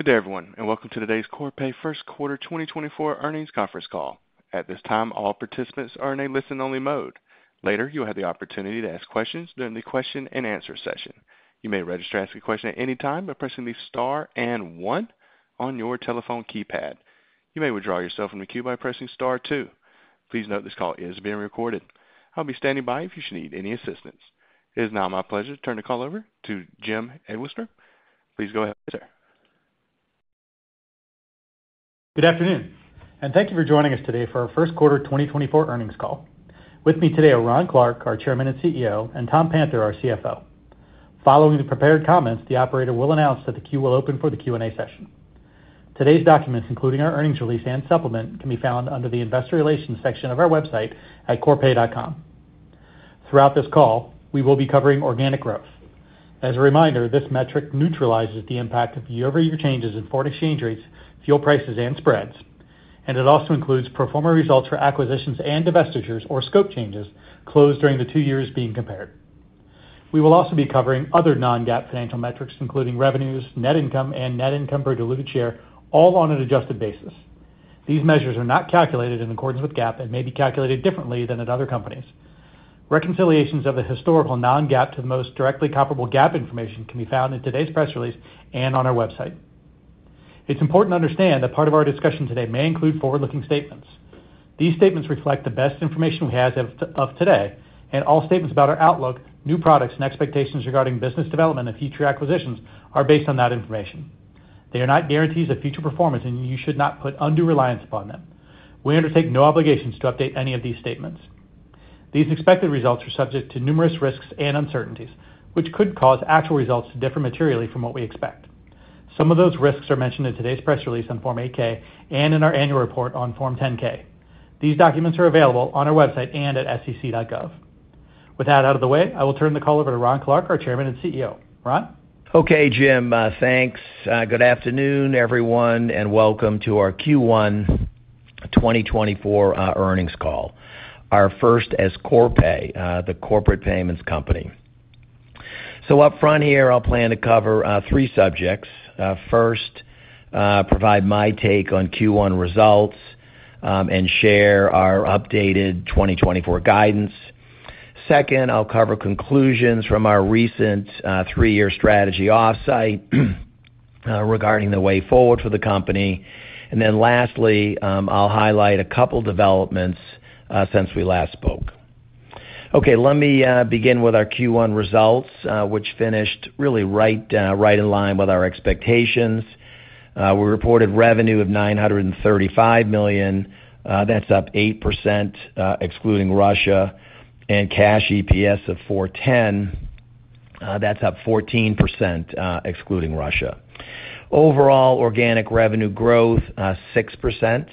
Good day, everyone, and welcome to today's Corpay Q1 2024 Earnings Conference Call. At this time, all participants are in a listen-only mode. Later, you'll have the opportunity to ask questions during the question-and-answer session. You may register to ask a question at any time by pressing the star and one on your telephone keypad. You may withdraw yourself from the queue by pressing star two. Please note this call is being recorded. I'll be standing by if you should need any assistance. It is now my pleasure to turn the call over to Jim Eglseder. Please go ahead, sir. Good afternoon, and thank you for joining us today for our Q1 2024 Earnings Call. With me today are Ron Clarke, our Chairman and CEO, and Tom Panther, our CFO. Following the prepared comments, the operator will announce that the queue will open for the Q&A session. Today's documents, including our earnings release and supplement, can be found under the Investor Relations section of our website at corpay.com. Throughout this call, we will be covering organic growth. As a reminder, this metric neutralizes the impact of year-over-year changes in foreign exchange rates, fuel prices, and spreads, and it also includes performance results for acquisitions and divestitures or scope changes closed during the two years being compared. We will also be covering other non-GAAP financial metrics, including revenues, net income, and net income per diluted share, all on an adjusted basis. These measures are not calculated in accordance with GAAP and may be calculated differently than at other companies. Reconciliations of the historical non-GAAP to the most directly comparable GAAP information can be found in today's press release and on our website. It's important to understand that part of our discussion today may include forward-looking statements. These statements reflect the best information we have of today, and all statements about our outlook, new products, and expectations regarding business development and future acquisitions are based on that information. They are not guarantees of future performance, and you should not put undue reliance upon them. We undertake no obligations to update any of these statements. These expected results are subject to numerous risks and uncertainties, which could cause actual results to differ materially from what we expect. Some of those risks are mentioned in today's press release on Form 8-K and in our annual report on Form 10-K. These documents are available on our website and at SEC.gov. With that out of the way, I will turn the call over to Ron Clarke, our Chairman and CEO. Ron? Okay, Jim, thanks. Good afternoon, everyone, and welcome to our Q1 2024 earnings call, our first as Corpay, the corporate payments company. So up front here, I'll plan to cover three subjects. First, provide my take on Q1 results and share our updated 2024 guidance. Second, I'll cover conclusions from our recent three-year strategy offsite regarding the way forward for the company. And then lastly, I'll highlight a couple developments since we last spoke. Okay, let me begin with our Q1 results, which finished really right in line with our expectations. We reported revenue of $935 million. That's up 8% excluding Russia and cash EPS of $4.10. That's up 14% excluding Russia. Overall organic revenue growth, 6%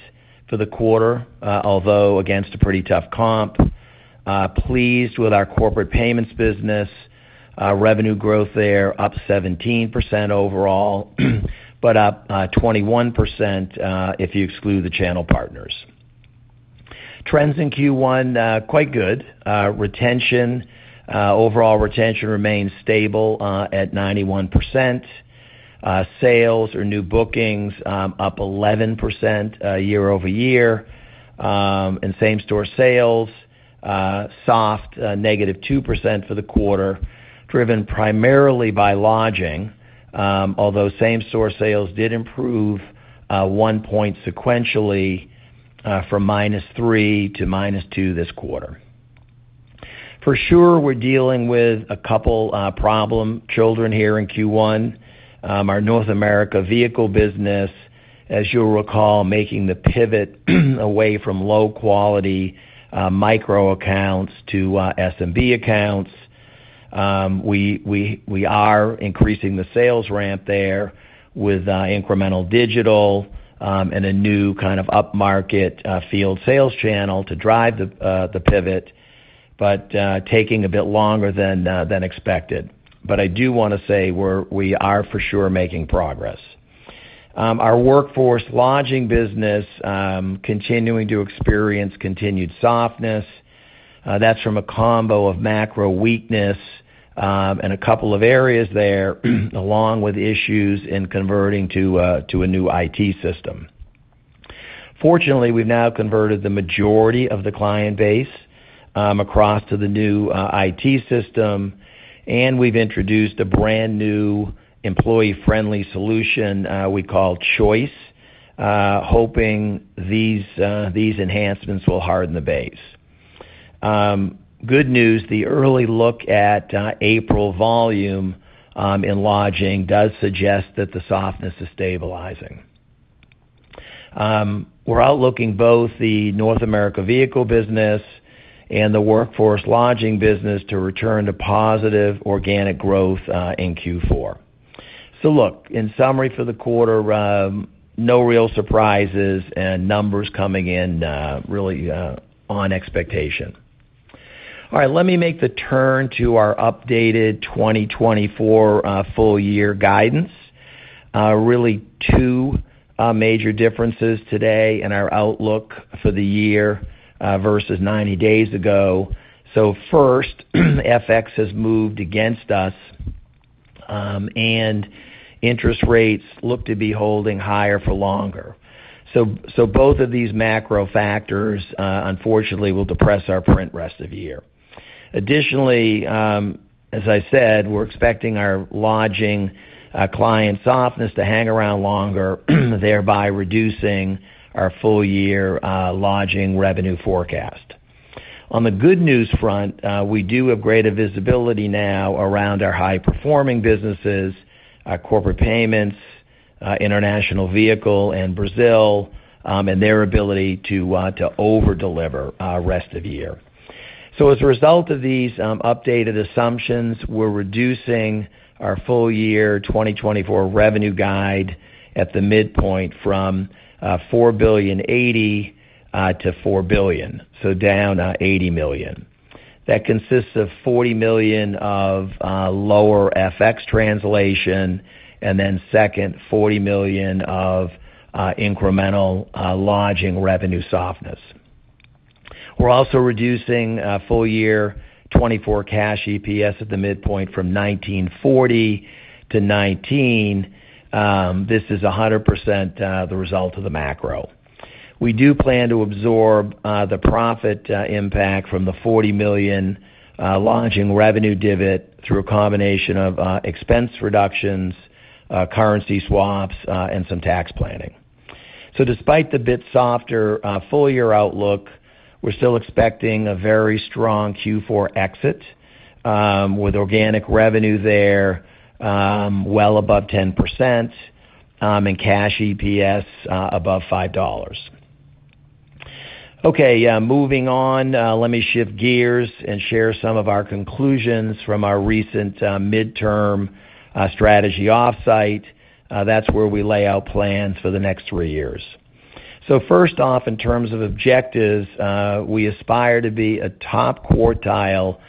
for the quarter, although against a pretty tough comp. Pleased with our corporate payments business. Revenue growth there up 17% overall, but up 21% if you exclude the channel partners. Trends in Q1 quite good. Retention: overall retention remains stable at 91%. Sales or new bookings up 11% year-over-year. Same-store sales, soft -2% for the quarter, driven primarily by lodging, although same-store sales did improve one point sequentially from -3% to -2% this quarter. For sure, we're dealing with a couple problem children here in Q1. Our North America vehicle business, as you'll recall, making the pivot away from low-quality micro accounts to SMB accounts. We are increasing the sales ramp there with incremental digital and a new kind of upmarket field sales channel to drive the pivot, but taking a bit longer than expected. I do want to say we are for sure making progress. Our workforce lodging business continuing to experience continued softness. That's from a combo of macro weakness and a couple of areas there, along with issues in converting to a new IT system. Fortunately, we've now converted the majority of the client base across to the new IT system, and we've introduced a brand new employee-friendly solution we call Choice, hoping these enhancements will harden the base. Good news: the early look at April volume in lodging does suggest that the softness is stabilizing. We're outlooking both the North America vehicle business and the workforce lodging business to return to positive organic growth in Q4. So look, in summary for the quarter, no real surprises and numbers coming in really on expectation. All right, let me make the turn to our updated 2024 full-year guidance. Really two major differences today in our outlook for the year versus 90 days ago. So first, FX has moved against us, and interest rates look to be holding higher for longer. So both of these macro factors, unfortunately, will depress our print rest of year. Additionally, as I said, we're expecting our lodging client softness to hang around longer, thereby reducing our full-year lodging revenue forecast. On the good news front, we do have greater visibility now around our high-performing businesses: corporate payments, international vehicle, and Brazil, and their ability to overdeliver rest of year. So as a result of these updated assumptions, we're reducing our full-year 2024 revenue guide at the midpoint from $4.80 billion-$4 billion, so down $80 million. That consists of $40 million of lower FX translation and then second $40 million of incremental lodging revenue softness. We're also reducing full-year 2024 cash EPS at the midpoint from $19.40-$19. This is 100% the result of the macro. We do plan to absorb the profit impact from the $40 million lodging revenue dividend through a combination of expense reductions, currency swaps, and some tax planning. So despite the bit softer full-year outlook, we're still expecting a very strong Q4 exit with organic revenue there well above 10% and cash EPS above $5. Okay, moving on, let me shift gears and share some of our conclusions from our recent midterm strategy offsite. That's where we lay out plans for the next three years. So first off, in terms of objectives, we aspire to be a top quartile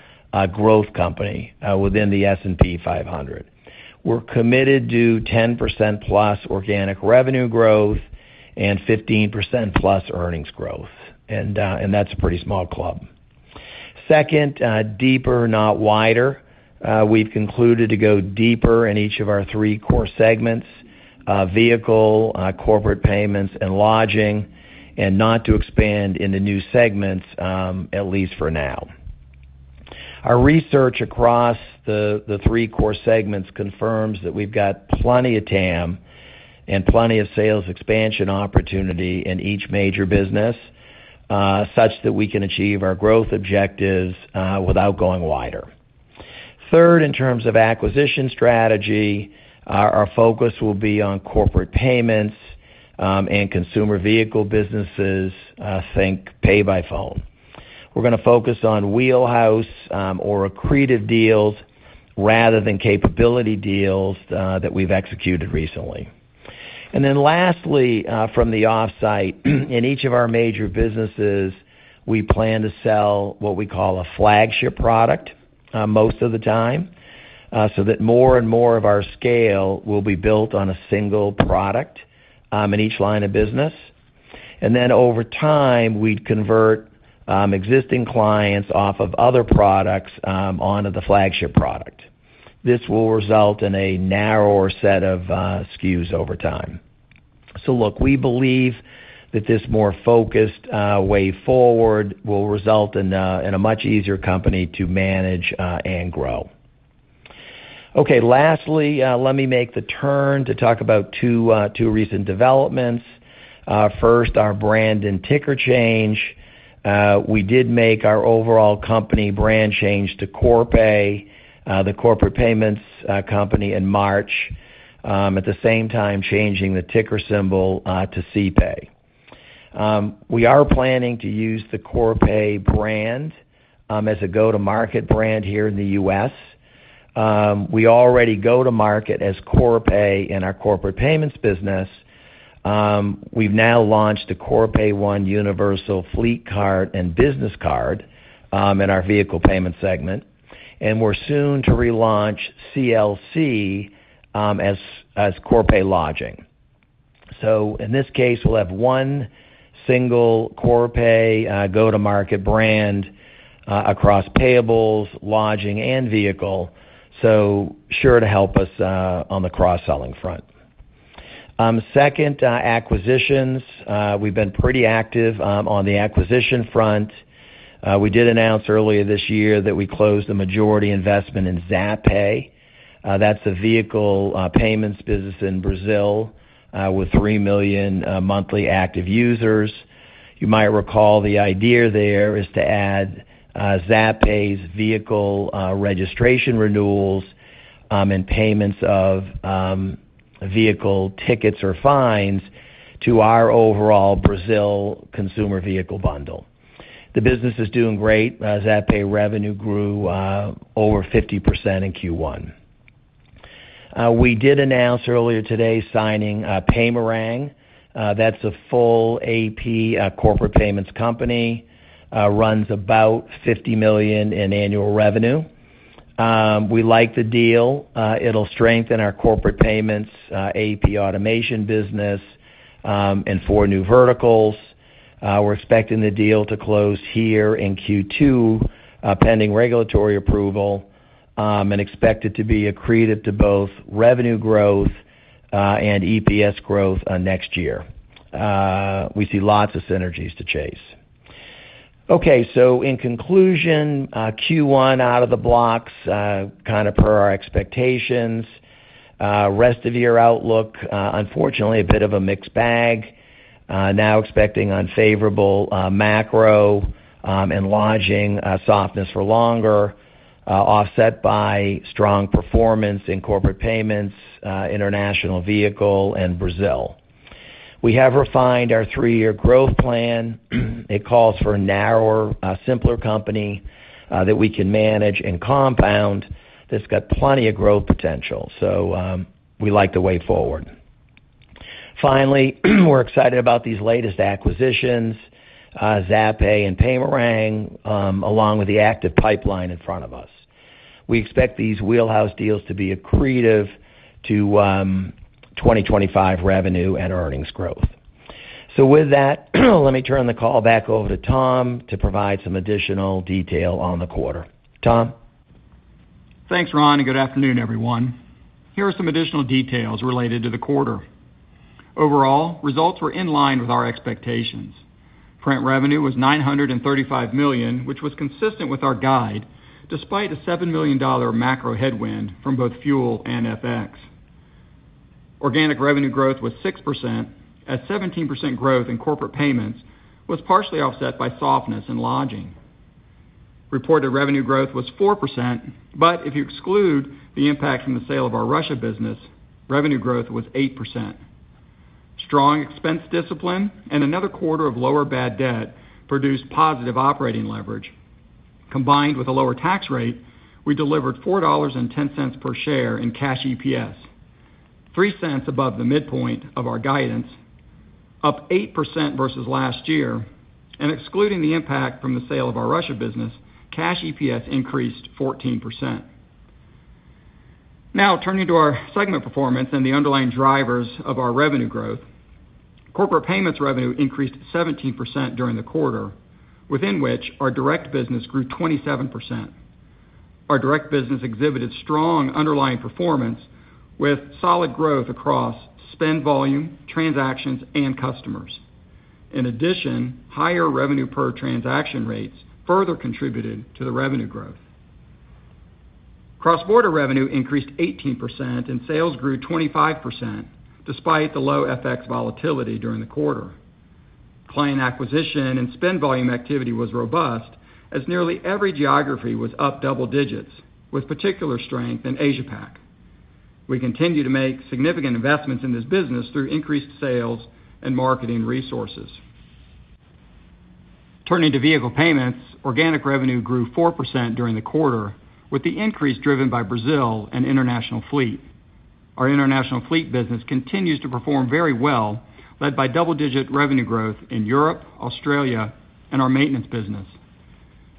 growth company within the S&P 500. We're committed to 10%+ organic revenue growth and 15%+ earnings growth, and that's a pretty small club. Second, deeper, not wider. We've concluded to go deeper in each of our three core segments: vehicle, corporate payments, and lodging, and not to expand into new segments, at least for now. Our research across the three core segments confirms that we've got plenty of TAM and plenty of sales expansion opportunity in each major business such that we can achieve our growth objectives without going wider. Third, in terms of acquisition strategy, our focus will be on corporate payments and consumer vehicle businesses, think PayByPhone. We're going to focus on wheelhouse or accretive deals rather than capability deals that we've executed recently. And then lastly, from the offsite, in each of our major businesses, we plan to sell what we call a flagship product most of the time so that more and more of our scale will be built on a single product in each line of business. Then over time, we'd convert existing clients off of other products onto the flagship product. This will result in a narrower set of SKUs over time. So look, we believe that this more focused way forward will result in a much easier company to manage and grow. Okay, lastly, let me make the turn to talk about two recent developments. First, our brand and ticker change. We did make our overall company brand change to Corpay, the corporate payments company, in March, at the same time changing the ticker symbol to CPAY. We are planning to use the Corpay brand as a go-to-market brand here in the U.S. We already go-to-market as Corpay in our corporate payments business. We've now launched a Corpay One universal fleet card and business card in our vehicle payment segment, and we're soon to relaunch CLC as Corpay Lodging. So in this case, we'll have one single Corpay go-to-market brand across payables, lodging, and vehicle, so sure to help us on the cross-selling front. Second, acquisitions. We've been pretty active on the acquisition front. We did announce earlier this year that we closed the majority investment in Zapay. That's a vehicle payments business in Brazil with three million monthly active users. You might recall the idea there is to add Zapay's vehicle registration renewals and payments of vehicle tickets or fines to our overall Brazil consumer vehicle bundle. The business is doing great. Zapay revenue grew over 50% in Q1. We did announce earlier today signing Paymerang. That's a full AP corporate payments company. Runs about $50 million in annual revenue. We like the deal. It'll strengthen our corporate payments AP automation business and four new verticals. We're expecting the deal to close here in Q2 pending regulatory approval and expect it to be accretive to both revenue growth and EPS growth next year. We see lots of synergies to chase. Okay, so in conclusion, Q1 out of the blocks kind of per our expectations. Rest of year outlook, unfortunately, a bit of a mixed bag. Now expecting unfavorable macro and lodging softness for longer, offset by strong performance in corporate payments, international vehicle, and Brazil. We have refined our three-year growth plan. It calls for a narrower, simpler company that we can manage and compound that's got plenty of growth potential. So we like the way forward. Finally, we're excited about these latest acquisitions, Zapay and Paymerang, along with the active pipeline in front of us. We expect these wheelhouse deals to be accretive to 2025 revenue and earnings growth. With that, let me turn the call back over to Tom to provide some additional detail on the quarter. Tom? Thanks, Ron, and good afternoon, everyone. Here are some additional details related to the quarter. Overall, results were in line with our expectations. Print revenue was $935 million, which was consistent with our guide despite a $7 million macro headwind from both fuel and FX. Organic revenue growth was 6%, as 17% growth in corporate payments was partially offset by softness in lodging. Reported revenue growth was 4%, but if you exclude the impact from the sale of our Russia business, revenue growth was 8%. Strong expense discipline and another quarter of lower bad debt produced positive operating leverage. Combined with a lower tax rate, we delivered $4.10 per share in cash EPS, $0.03 above the midpoint of our guidance, up 8% versus last year. And excluding the impact from the sale of our Russia business, cash EPS increased 14%. Now turning to our segment performance and the underlying drivers of our revenue growth, corporate payments revenue increased 17% during the quarter, within which our direct business grew 27%. Our direct business exhibited strong underlying performance with solid growth across spend volume, transactions, and customers. In addition, higher revenue per transaction rates further contributed to the revenue growth. Cross-border revenue increased 18% and sales grew 25% despite the low FX volatility during the quarter. Client acquisition and spend volume activity was robust, as nearly every geography was up double digits, with particular strength in Asia Pac. We continue to make significant investments in this business through increased sales and marketing resources. Turning to vehicle payments, organic revenue grew 4% during the quarter, with the increase driven by Brazil and international fleet. Our international fleet business continues to perform very well, led by double-digit revenue growth in Europe, Australia, and our maintenance business.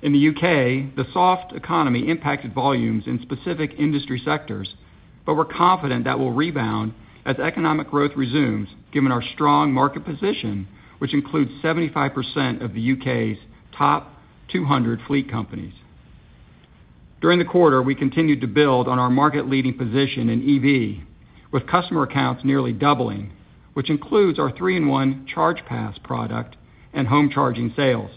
In the U.K., the soft economy impacted volumes in specific industry sectors, but we're confident that will rebound as economic growth resumes, given our strong market position, which includes 75% of the U.K.'s top 200 fleet companies. During the quarter, we continued to build on our market-leading position in EV, with customer accounts nearly doubling, which includes our 3-in-1 ChargePass product and home charging sales.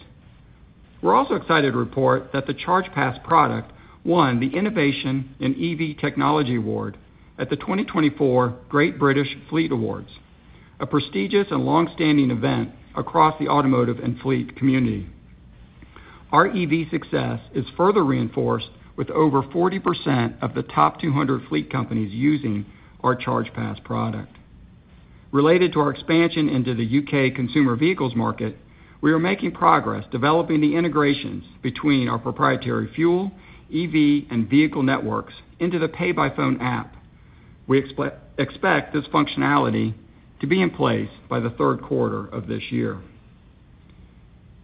We're also excited to report that the ChargePass product won the Innovation in EV Technology Award at the 2024 Great British Fleet Awards, a prestigious and longstanding event across the automotive and fleet community. Our EV success is further reinforced with over 40% of the top 200 fleet companies using our ChargePass product. Related to our expansion into the U.K. consumer vehicles market, we are making progress developing the integrations between our proprietary fuel, EV, and vehicle networks into the PayByPhone app. We expect this functionality to be in place by the Q3 of this year.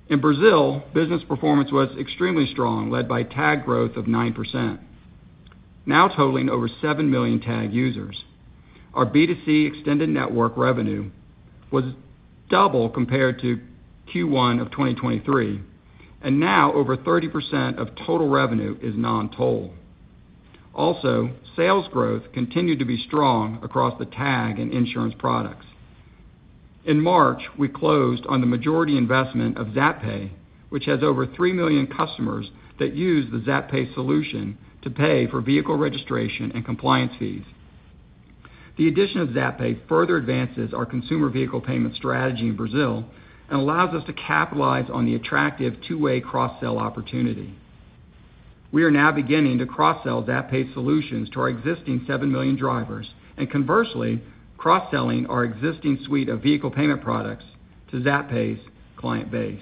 In Brazil, business performance was extremely strong, led by TAG growth of 9%, now totaling over seven million TAG users. Our B2C extended network revenue was double compared to Q1 of 2023, and now over 30% of total revenue is non-toll. Also, sales growth continued to be strong across the TAG and insurance products. In March, we closed on the majority investment of Zapay, which has over three million customers that use the Zapay solution to pay for vehicle registration and compliance fees. The addition of Zapay further advances our consumer vehicle payment strategy in Brazil and allows us to capitalize on the attractive two-way cross-sell opportunity. We are now beginning to cross-sell Zapay solutions to our existing seven million drivers and, conversely, cross-selling our existing suite of vehicle payment products to Zapay's client base.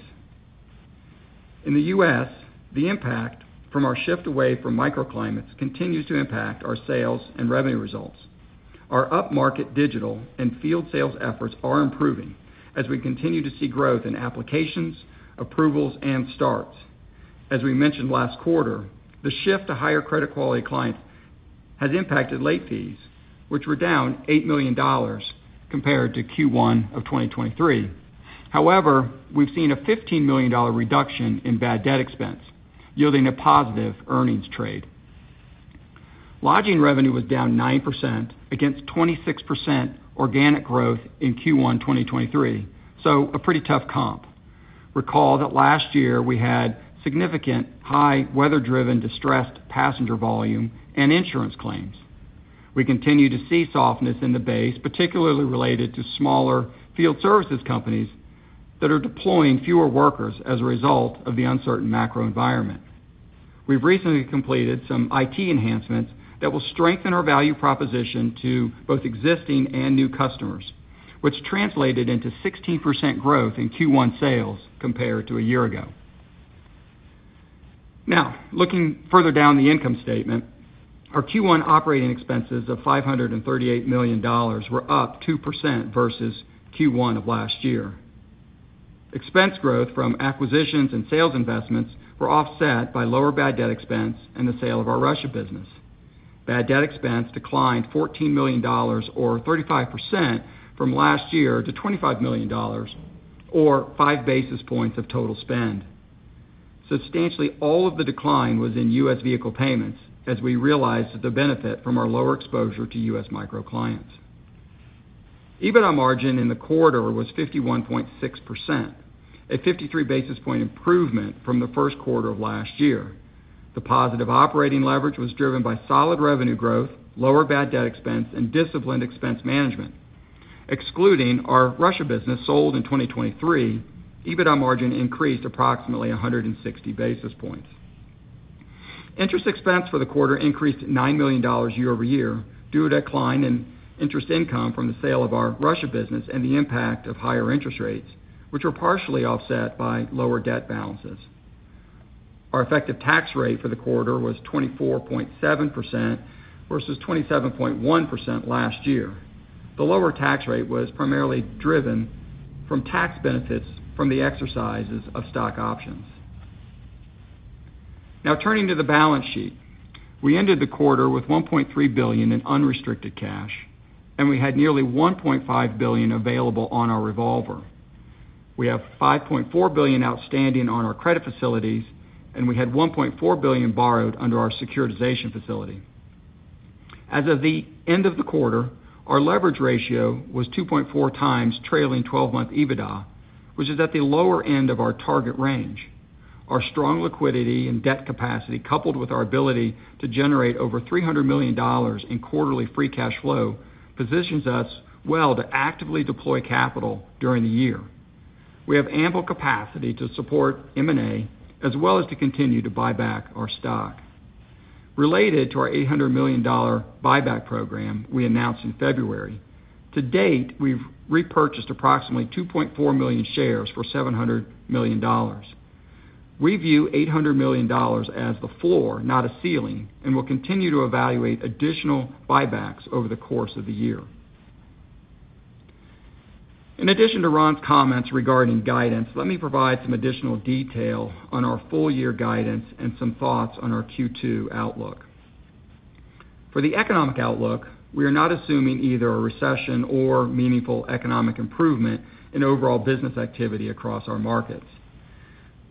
In the U.S., the impact from our shift away from micro accounts continues to impact our sales and revenue results. Our up-market digital and field sales efforts are improving as we continue to see growth in applications, approvals, and starts. As we mentioned last quarter, the shift to higher credit quality clients has impacted late fees, which were down $8 million compared to Q1 of 2023. However, we've seen a $15 million reduction in bad debt expense, yielding a positive earnings trade. Lodging revenue was down 9% against 26% organic growth in Q1 2023, so a pretty tough comp. Recall that last year we had significant high weather-driven distressed passenger volume and insurance claims. We continue to see softness in the base, particularly related to smaller field services companies that are deploying fewer workers as a result of the uncertain macro environment. We've recently completed some IT enhancements that will strengthen our value proposition to both existing and new customers, which translated into 16% growth in Q1 sales compared to a year ago. Now, looking further down the income statement, our Q1 operating expenses of $538 million were up 2% versus Q1 of last year. Expense growth from acquisitions and sales investments were offset by lower bad debt expense and the sale of our Russia business. Bad debt expense declined $14 million or 35% from last year to $25 million or five basis points of total spend. Substantially, all of the decline was in US vehicle payments as we realized the benefit from our lower exposure to US micro clients. EBITDA margin in the quarter was 51.6%, a 53 basis point improvement from the Q1 of last year. The positive operating leverage was driven by solid revenue growth, lower bad debt expense, and disciplined expense management. Excluding our Russia business sold in 2023, EBITDA margin increased approximately 160 basis points. Interest expense for the quarter increased $9 million year-over-year due to a decline in interest income from the sale of our Russia business and the impact of higher interest rates, which were partially offset by lower debt balances. Our effective tax rate for the quarter was 24.7% versus 27.1% last year. The lower tax rate was primarily driven from tax benefits from the exercises of stock options. Now, turning to the balance sheet, we ended the quarter with $1.3 billion in unrestricted cash, and we had nearly $1.5 billion available on our revolver. We have $5.4 billion outstanding on our credit facilities, and we had $1.4 billion borrowed under our securitization facility. As of the end of the quarter, our leverage ratio was 2.4x trailing 12-month EBITDA, which is at the lower end of our target range. Our strong liquidity and debt capacity, coupled with our ability to generate over $300 million in quarterly free cash flow, positions us well to actively deploy capital during the year. We have ample capacity to support M&A as well as to continue to buy back our stock. Related to our $800 million buyback program we announced in February, to date, we've repurchased approximately $2.4 million shares for $700 million. We view $800 million as the floor, not a ceiling, and will continue to evaluate additional buybacks over the course of the year. In addition to Ron's comments regarding guidance, let me provide some additional detail on our full-year guidance and some thoughts on our Q2 outlook. For the economic outlook, we are not assuming either a recession or meaningful economic improvement in overall business activity across our markets.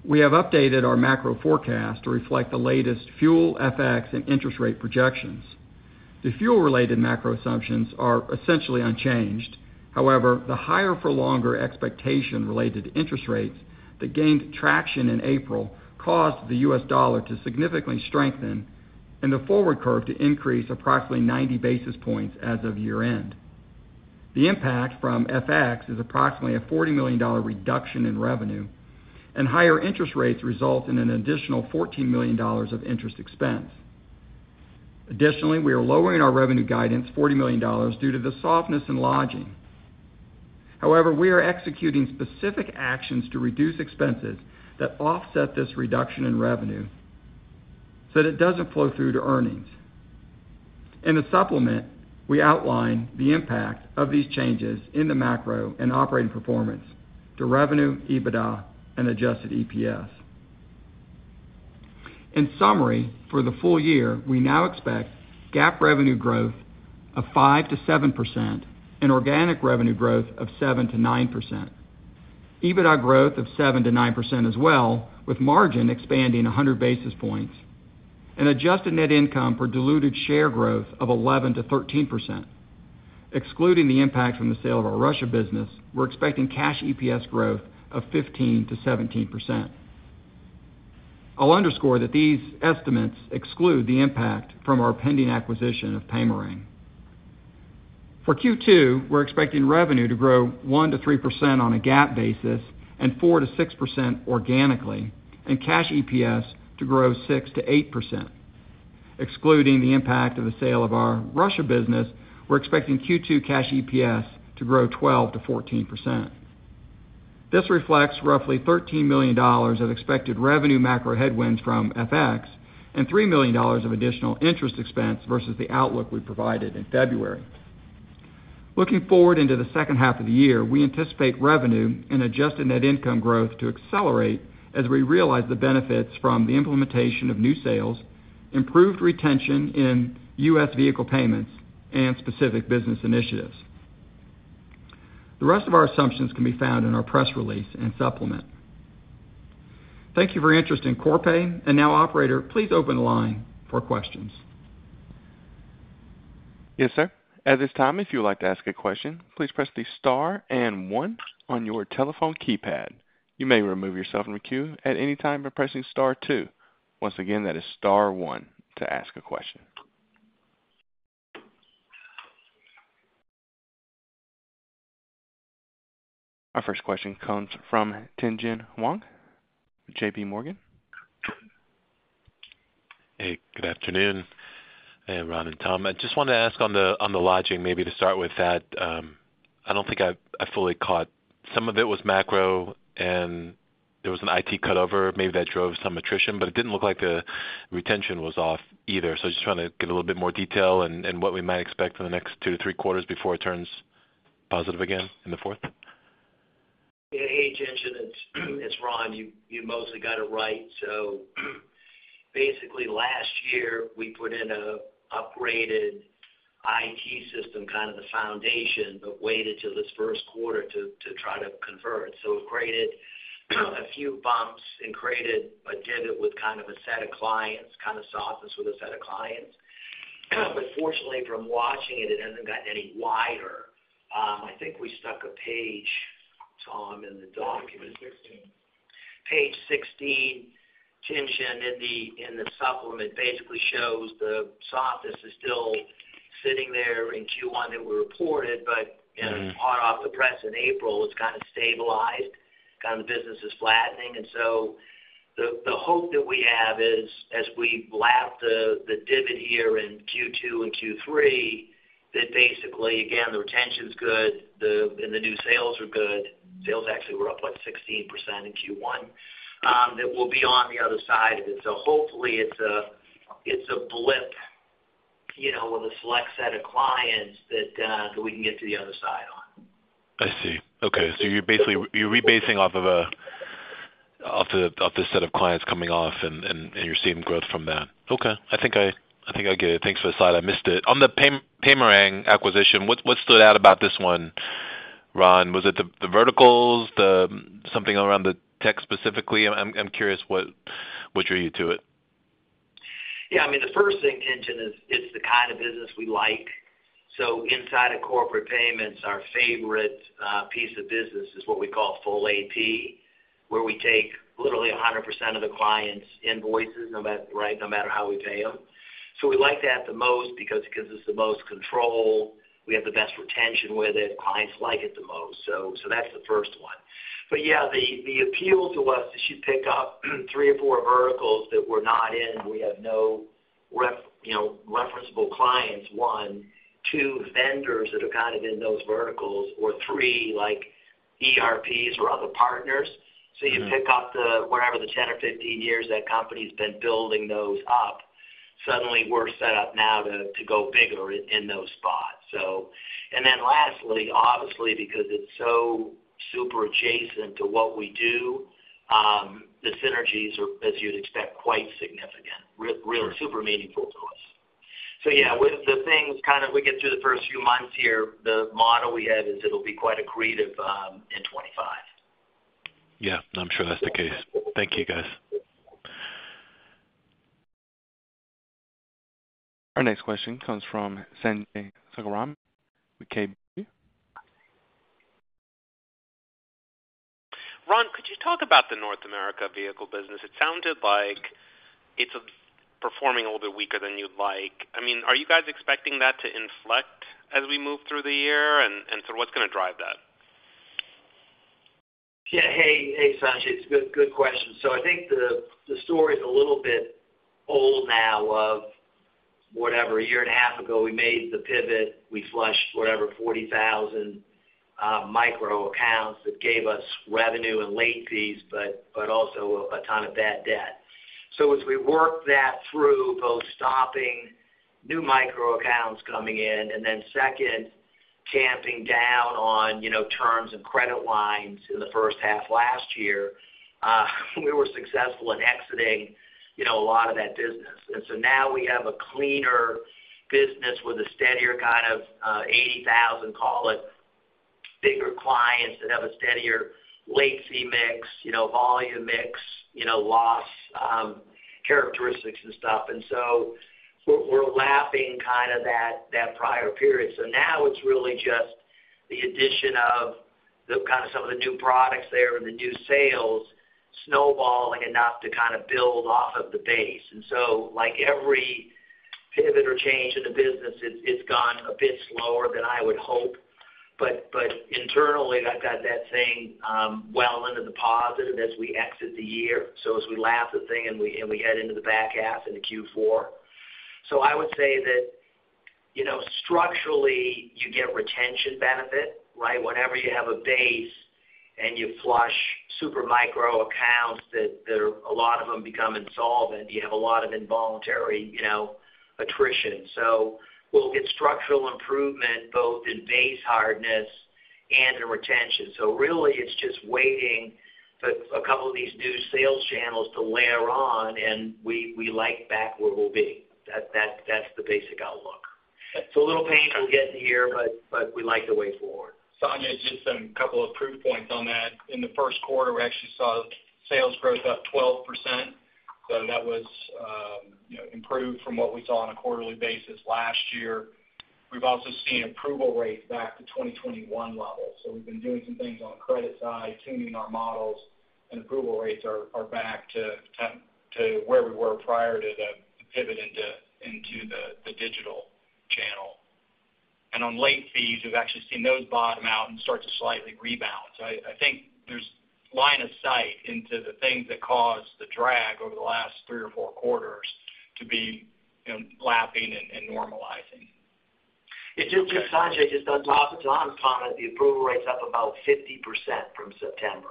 We have updated our macro forecast to reflect the latest fuel, FX, and interest rate projections. The fuel-related macro assumptions are essentially unchanged. However, the higher-for-longer expectation related to interest rates that gained traction in April caused the US dollar to significantly strengthen and the forward curve to increase approximately 90 basis points as of year-end. The impact from FX is approximately a $40 million reduction in revenue, and higher interest rates result in an additional $14 million of interest expense. Additionally, we are lowering our revenue guidance $40 million due to the softness in lodging. However, we are executing specific actions to reduce expenses that offset this reduction in revenue so that it doesn't flow through to earnings. In the supplement, we outline the impact of these changes in the macro and operating performance to revenue, EBITDA, and adjusted EPS. In summary, for the full year, we now expect GAAP revenue growth of 5%-7% and organic revenue growth of 7%-9%, EBITDA growth of 7%-9% as well, with margin expanding 100 basis points, and adjusted net income per diluted share growth of 11%-13%. Excluding the impact from the sale of our Russia business, we're expecting cash EPS growth of 15%-17%. I'll underscore that these estimates exclude the impact from our pending acquisition of Paymerang. For Q2, we're expecting revenue to grow 1%-3% on a GAAP basis and 4%-6% organically, and cash EPS to grow 6%-8%. Excluding the impact of the sale of our Russia business, we're expecting Q2 cash EPS to grow 12%-14%. This reflects roughly $13 million of expected revenue macro headwinds from FX and $3 million of additional interest expense versus the outlook we provided in February. Looking forward into the H2 of the year, we anticipate revenue and adjusted net income growth to accelerate as we realize the benefits from the implementation of new sales, improved retention in US vehicle payments, and specific business initiatives. The rest of our assumptions can be found in our press release and supplement. Thank you for your interest in Corpay. And now, operator, please open the line for questions. Yes, sir. At this time, if you would like to ask a question, please press the star and one on your telephone keypad. You may remove yourself from the queue at any time by pressing star two. Once again, that is star one to ask a question. Our first question comes from Tien-tsin Huang with JPMorgan. Hey. Good afternoon, Ron and Tom. I just wanted to ask on the lodging, maybe to start with that. I don't think I fully caught. Some of it was macro, and there was an IT cutover. Maybe that drove some attrition, but it didn't look like the retention was off either. So just trying to get a little bit more detail and what we might expect in the next two to three quarters before it turns positive again in the fourth? Hey, Tien-Tsin. It's Ron. You mostly got it right. So basically, last year, we put in an upgraded IT system, kind of the foundation, but waited till this Q1 to try to convert it. So it created a few bumps and created a divot with kind of a set of clients, kind of softness with a set of clients. But fortunately, from watching it, it hasn't gotten any wider. I think we tucked a page, Tom, in the document. Page 16. Page 16, Tien-Tsin, in the supplement basically shows the softness is still sitting there in Q1 that we reported, but hot off the press in April, it's kind of stabilized. Kind of the business is flattening. So the hope that we have is, as we lap the dividend here in Q2 and Q3, that basically, again, the retention's good, and the new sales are good. Sales actually were up, what, 16% in Q1, that we'll be on the other side of it. So hopefully, it's a blip with a select set of clients that we can get to the other side on. I see. Okay. So you're basically rebasing off of the set of clients coming off, and you're seeing growth from that. Okay. I think I get it. Thanks for the slide. I missed it. On the Paymerang acquisition, what stood out about this one, Ron? Was it the verticals, something around the tech specifically? I'm curious. What drew you to it? Yeah. I mean, the first thing, Tien-Tsin, is it's the kind of business we like. So inside of corporate payments, our favorite piece of business is what we call full AP, where we take literally 100% of the clients' invoices, right, no matter how we pay them. So we like that the most because it gives us the most control. We have the best retention with it. Clients like it the most. So that's the first one. But yeah, the appeal to us is you pick up three or four verticals that we're not in. We have no referenceable clients, one. Two, vendors that are kind of in those verticals. Or three, ERPs or other partners. So you pick up whatever the 10 or 15 years that company's been building those up, suddenly we're set up now to go bigger in those spots. And then lastly, obviously, because it's so super adjacent to what we do, the synergies are, as you'd expect, quite significant, real super meaningful to us. So yeah, with the things kind of we get through the first few months here, the model we have is it'll be quite a creative. In 2025. Yeah. I'm sure that's the case. Thank you, guys. Our next question comes from Sanjay Sakhrani with KBW. Ron, could you talk about the North America vehicle business? It sounded like it's performing a little bit weaker than you'd like. I mean, are you guys expecting that to inflect as we move through the year? And so what's going to drive that? Yeah. Hey, Sanjay. It's a good question. So I think the story's a little bit old now of, whatever, a year and a half ago, we made the pivot. We flushed, whatever, 40,000 micro accounts that gave us revenue and late fees, but also a ton of bad debt. So as we worked that through, both stopping new micro accounts coming in and then, second, tamping down on terms and credit lines in the H1 last year, we were successful in exiting a lot of that business. And so now we have a cleaner business with a steadier kind of 80,000, call it, bigger clients that have a steadier late fee mix, volume mix, loss characteristics, and stuff. And so we're lapping kind of that prior period. So now it's really just the addition of kind of some of the new products there and the new sales snowballing enough to kind of build off of the base. So every pivot or change in the business, it's gone a bit slower than I would hope. But internally, I've got that thing well into the positive as we exit the year. So as we lap the thing and we head into the back half into Q4. So I would say that structurally, you get retention benefit, right? Whenever you have a base and you flush super micro accounts that a lot of them become insolvent, you have a lot of involuntary attrition. So we'll get structural improvement both in base hardness and in retention. So really, it's just waiting for a couple of these new sales channels to layer on, and we like back where we'll be. That's the basic outlook. It's a little painful getting here, but we like the way forward. Sanjay, just a couple of proof points on that. In the Q1, we actually saw sales growth up 12%. So that was improved from what we saw on a quarterly basis last year. We've also seen approval rates back to 2021 levels. So we've been doing some things on the credit side, tuning our models, and approval rates are back to where we were prior to the pivot into the digital channel. And on late fees, we've actually seen those bottom out and start to slightly rebound. So I think there's line of sight into the things that caused the drag over the last three or four quarters to be lapping and normalizing. Sanjay, just on top of Tom's comment, the approval rate's up about 50% from September.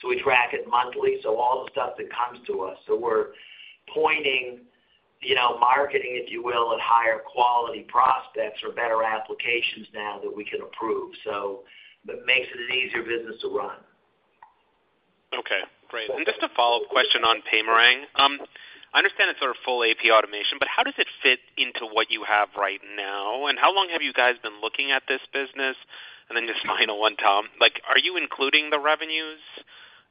So we track it monthly. So all the stuff that comes to us so we're pointing marketing, if you will, at higher-quality prospects or better applications now that we can approve. So it makes it an easier business to run. Okay. Great. And just a follow-up question on Paymerang. I understand it's sort of full AP automation, but how does it fit into what you have right now? And how long have you guys been looking at this business? And then just final one, Tom. Are you including the revenues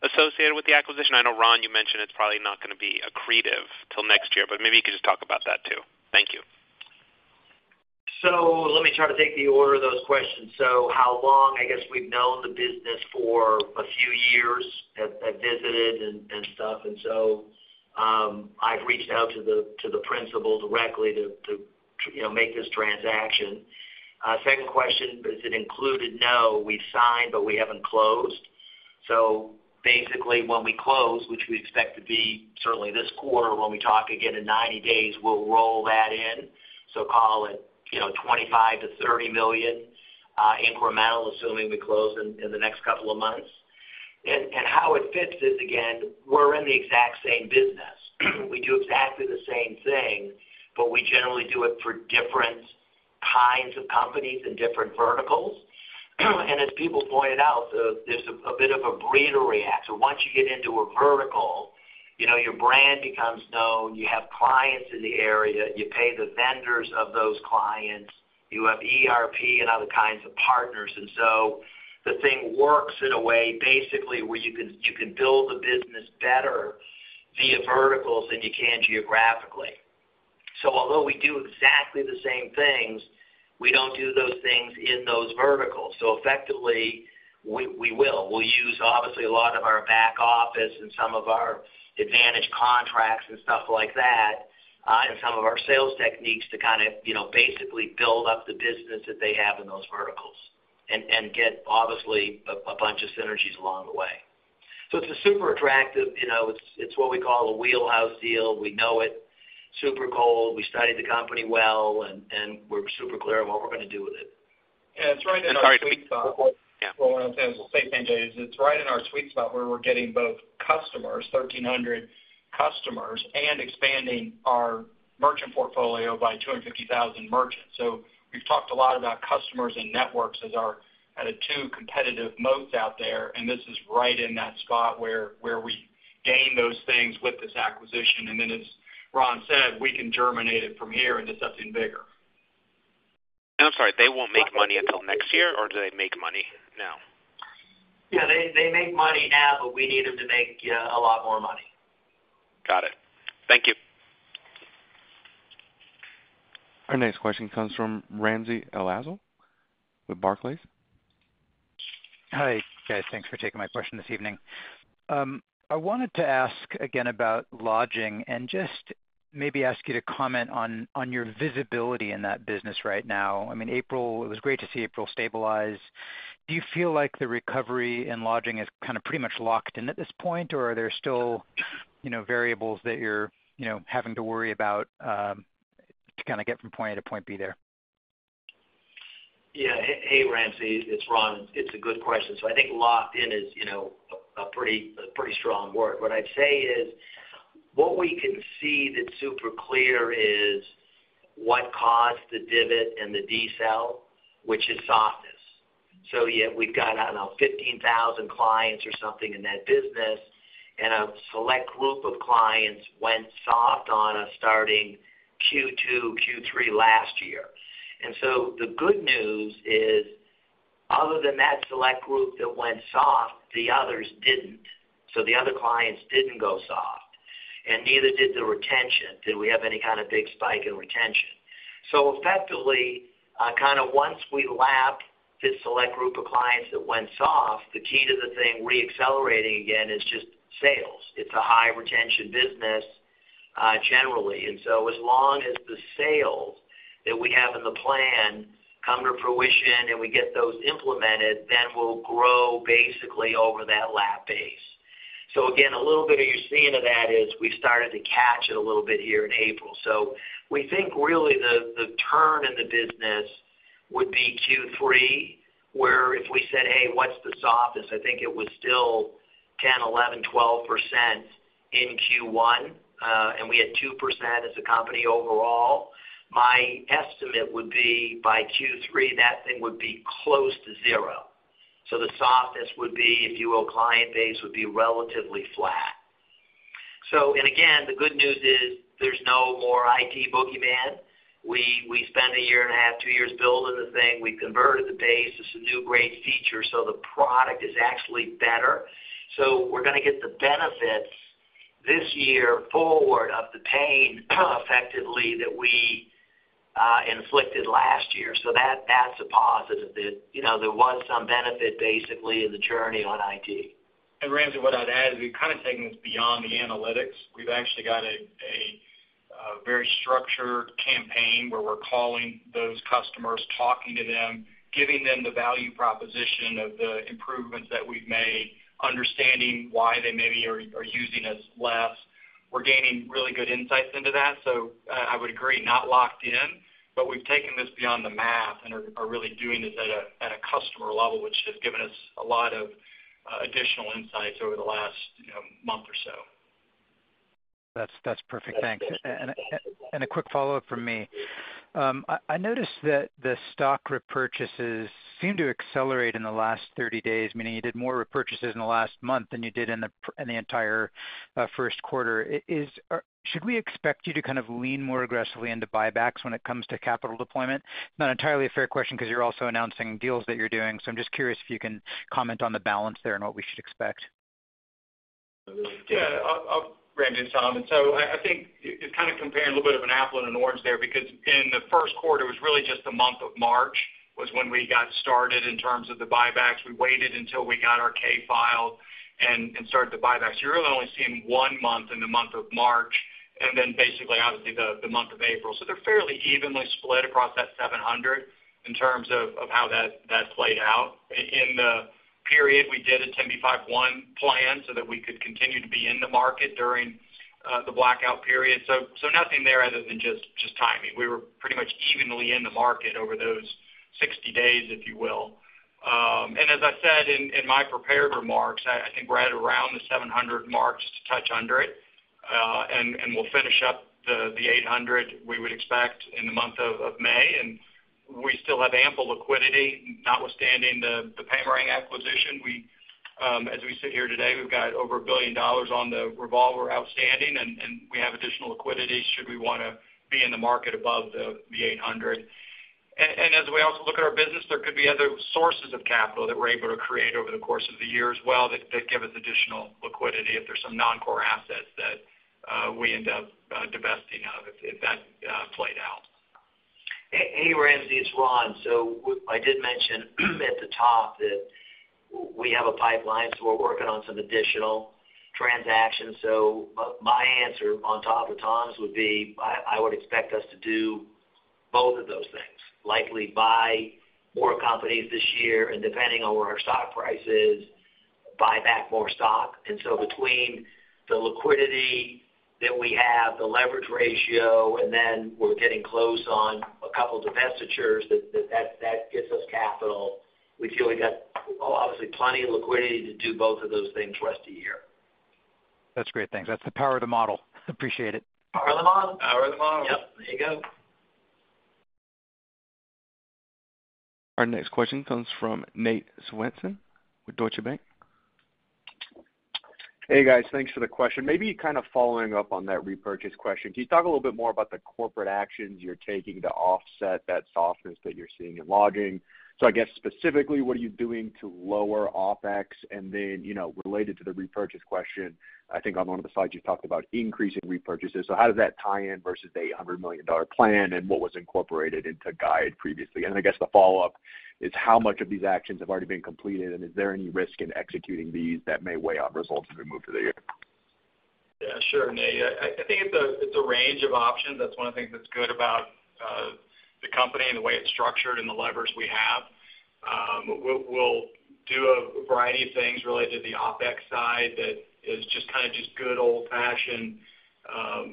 associated with the acquisition? I know, Ron, you mentioned it's probably not going to be accretive till next year, but maybe you could just talk about that too. Thank you. So let me try to take the order of those questions. So how long? I guess we've known the business for a few years. I've visited and stuff. And so I've reached out to the principal directly to make this transaction. Second question, is it included? No. We've signed, but we haven't closed. So basically, when we close, which we expect to be certainly this quarter, when we talk again in 90 days, we'll roll that in. So call it $25 million-$30 million incremental, assuming we close in the next couple of months. And how it fits is, again, we're in the exact same business. We do exactly the same thing, but we generally do it for different kinds of companies and different verticals. And as people pointed out, there's a bit of a breeder react. So once you get into a vertical, your brand becomes known. You have clients in the area. You pay the vendors of those clients. You have ERP and other kinds of partners. And so the thing works in a way, basically, where you can build the business better via verticals than you can geographically. So although we do exactly the same things, we don't do those things in those verticals. So effectively, we will. We'll use, obviously, a lot of our back office and some of our advantaged contracts and stuff like that and some of our sales techniques to kind of basically build up the business that they have in those verticals and get, obviously, a bunch of synergies along the way. So it's super attractive. It's what we call a wheelhouse deal. We know it. Super cold. We studied the company well, and we're super clear on what we're going to do with it. It's right in our sweet spot. Sorry to sweep the whole line on Tim's say, Sanjay. It's right in our sweet spot where we're getting both customers, 1,300 customers, and expanding our merchant portfolio by 250,000 merchants. So we've talked a lot about customers and networks as two competitive moats out there. And this is right in that spot where we gain those things with this acquisition. And then, as Ron said, we can germinate it from here into something bigger. I'm sorry. They won't make money until next year, or do they make money now? Yeah. They make money now, but we need them to make a lot more money. Got it. Thank you. Our next question comes from Ramsey El-Assal with Barclays. Hi, guys. Thanks for taking my question this evening. I wanted to ask again about lodging and just maybe ask you to comment on your visibility in that business right now. I mean, April, it was great to see April stabilize. Do you feel like the recovery in lodging is kind of pretty much locked in at this point, or are there still variables that you're having to worry about to kind of get from point A to point B there? Yeah. Hey, Ramsey. It's Ron. It's a good question. So I think locked in is a pretty strong word. What I'd say is what we can see that's super clear is what caused the dividend and the Desell, which is softness. So yeah, we've got, I don't know, 15,000 clients or something in that business, and a select group of clients went soft on us starting Q2, Q3 last year. And so the good news is, other than that select group that went soft, the others didn't. So the other clients didn't go soft, and neither did the retention. Did we have any kind of big spike in retention? So effectively, kind of once we lap this select group of clients that went soft, the key to the thing reaccelerating again is just sales. It's a high-retention business, generally. As long as the sales that we have in the plan come to fruition and we get those implemented, then we'll grow basically over that lap base. So again, a little bit of your sense of that is we started to catch it a little bit here in April. So we think, really, the turn in the business would be Q3, where if we said, "Hey, what's the softness?" I think it was still 10, 11, 12% in Q1, and we had 2% as a company overall. My estimate would be, by Q3, that thing would be close to zero. So the softness would be, if you will, client base would be relatively flat. And again, the good news is there's no more IT boogeyman. We spent a year and a half, two years building the thing. We converted the base. It's a new, great feature. So the product is actually better. So we're going to get the benefits this year forward of the pain, effectively, that we inflicted last year. So that's a positive that there was some benefit, basically, in the journey on IT. Ramsey, what I'd add is we've kind of taken this beyond the analytics. We've actually got a very structured campaign where we're calling those customers, talking to them, giving them the value proposition of the improvements that we've made, understanding why they maybe are using us less. We're gaining really good insights into that. So I would agree, not locked in, but we've taken this beyond the math and are really doing this at a customer level, which has given us a lot of additional insights over the last month or so. That's perfect. Thanks. A quick follow-up from me. I noticed that the stock repurchases seem to accelerate in the last 30 days, meaning you did more repurchases in the last month than you did in the entire Q1. Should we expect you to kind of lean more aggressively into buybacks when it comes to capital deployment? It's not entirely a fair question because you're also announcing deals that you're doing. I'm just curious if you can comment on the balance there and what we should expect. Yeah. Ramsey, it's Tom. So I think it's kind of comparing a little bit of an apple and an orange there because in the Q1, it was really just the month of March was when we got started in terms of the buybacks. We waited until we got our 10-K filed and started the buybacks. You're really only seeing one month in the month of March and then, basically, obviously, the month of April. So they're fairly evenly split across that $700 in terms of how that played out. In the period, we did a 10b5-1 plan so that we could continue to be in the market during the blackout period. So nothing there other than just timing. We were pretty much evenly in the market over those 60 days, if you will. As I said in my prepared remarks, I think we're at around the 700 mark, just a touch under it. We'll finish up the 800, we would expect, in the month of May. We still have ample liquidity, notwithstanding the Paymerang acquisition. As we sit here today, we've got over $1 billion on the revolver outstanding, and we have additional liquidity should we want to be in the market above the 800. As we also look at our business, there could be other sources of capital that we're able to create over the course of the year as well that give us additional liquidity if there's some non-core assets that we end up divesting of if that played out. Hey, Ramsey. It's Ron. So I did mention at the top that we have a pipeline, so we're working on some additional transactions. So my answer on top of Tom's would be I would expect us to do both of those things, likely buy more companies this year, and depending on where our stock price is, buy back more stock. And so between the liquidity that we have, the leverage ratio, and then we're getting close on a couple of divestitures, that gives us capital. We feel we've got, obviously, plenty of liquidity to do both of those things rest of year. That's great. Thanks. That's the power of the model. Appreciate it. Power of the model. Power of the model. Yep. There you go. Our next question comes from Nate Svensson with Deutsche Bank. Hey, guys. Thanks for the question. Maybe kind of following up on that repurchase question, can you talk a little bit more about the corporate actions you're taking to offset that softness that you're seeing in lodging? So I guess, specifically, what are you doing to lower OpEx? And then related to the repurchase question, I think on one of the slides, you talked about increasing repurchases. So how does that tie in versus the $800 million plan, and what was incorporated into guide previously? And then I guess the follow-up is how much of these actions have already been completed, and is there any risk in executing these that may weigh on results as we move through the year? Yeah. Sure, Nate. I think it's a range of options. That's one of the things that's good about the company and the way it's structured and the levers we have. We'll do a variety of things related to the OpEx side that is just kind of just good old-fashioned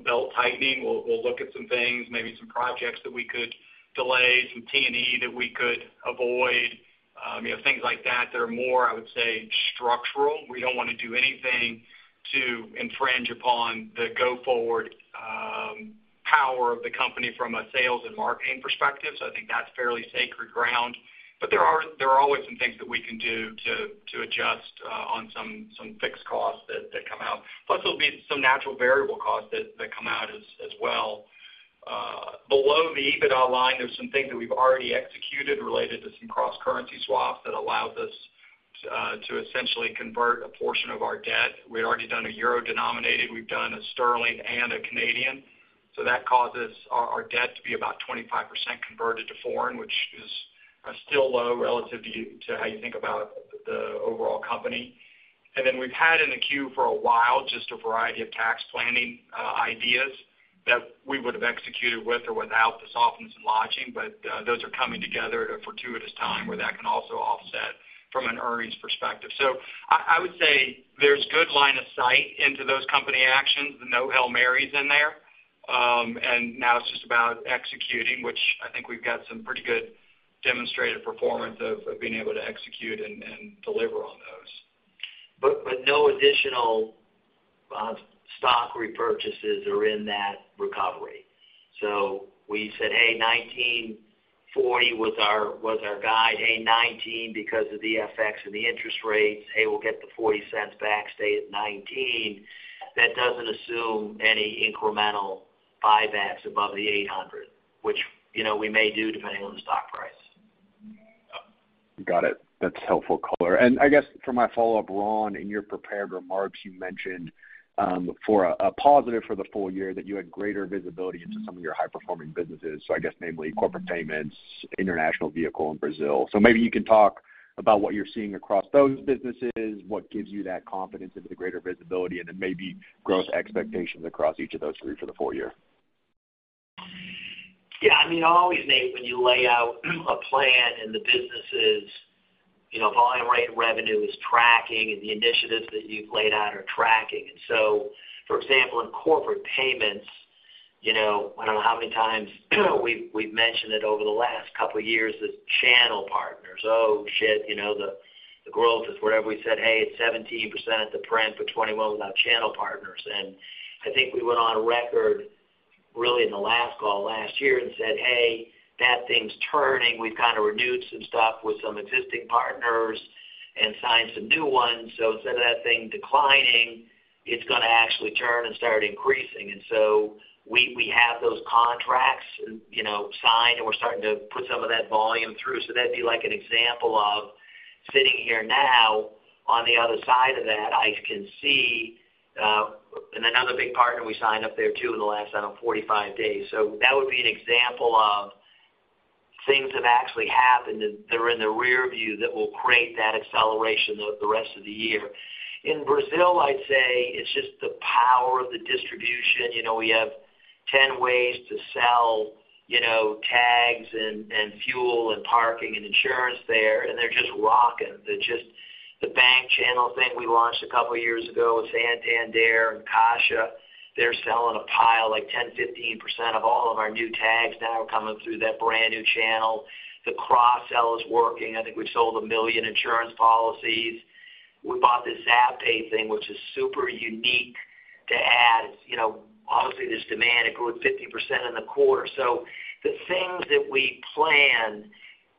belt-tightening. We'll look at some things, maybe some projects that we could delay, some T&E that we could avoid, things like that that are more, I would say, structural. We don't want to do anything to infringe upon the go-forward power of the company from a sales and marketing perspective. So I think that's fairly sacred ground. But there are always some things that we can do to adjust on some fixed costs that come out. Plus, there'll be some natural variable costs that come out as well. Below the EBITDA line, there's some things that we've already executed related to some cross-currency swaps that allowed us to essentially convert a portion of our debt. We had already done a euro-denominated. We've done a sterling and a Canadian. So that causes our debt to be about 25% converted to foreign, which is still low relative to how you think about the overall company. And then we've had in the queue for a while just a variety of tax planning ideas that we would have executed with or without the softness in lodging. But those are coming together fortuitous time where that can also offset from an earnings perspective. So I would say there's good line of sight into those company actions. There's no Hail Marys in there. Now it's just about executing, which I think we've got some pretty good demonstrated performance of being able to execute and deliver on those. But no additional stock repurchases are in that recovery. So we said, "Hey, $19.40 was our guide. Hey, $19 because of the FX and the interest rates. Hey, we'll get the $0.40 back. Stay at $19." That doesn't assume any incremental buybacks above the $800, which we may do depending on the stock price. Got it. That's helpful color. I guess for my follow-up, Ron, in your prepared remarks, you mentioned a positive for the full year that you had greater visibility into some of your high-performing businesses, so I guess, namely, corporate payments, international vehicle in Brazil. Maybe you can talk about what you're seeing across those businesses, what gives you that confidence into the greater visibility, and then maybe growth expectations across each of those three for the full year. Yeah. I mean, always, Nate, when you lay out a plan and the business's volume rate and revenue is tracking, and the initiatives that you've laid out are tracking. And so, for example, in corporate payments, I don't know how many times we've mentioned it over the last couple of years as channel partners. "Oh, shit. The growth is whatever." We said, "Hey, it's 17% at the print for 2021 without channel partners." And I think we went on record, really, in the last call last year and said, "Hey, that thing's turning. We've kind of renewed some stuff with some existing partners and signed some new ones. So instead of that thing declining, it's going to actually turn and start increasing." And so we have those contracts signed, and we're starting to put some of that volume through. So that'd be an example of sitting here now, on the other side of that. I can see and another big partner we signed up there too in the last, I don't know, 45 days. So that would be an example of things that have actually happened that are in the rearview that will create that acceleration the rest of the year. In Brazil, I'd say it's just the power of the distribution. We have 10 ways to sell tags and fuel and parking and insurance there, and they're just rocking. The bank channel thing we launched a couple of years ago with Santander and Caixa, they're selling a pile, like 10%-15% of all of our new tags now are coming through that brand new channel. The cross-sell is working. I think we've sold 1 million insurance policies. We bought this Zapay thing, which is super unique to add. Obviously, there's demand. It grew at 50% in the quarter. So the things that we planned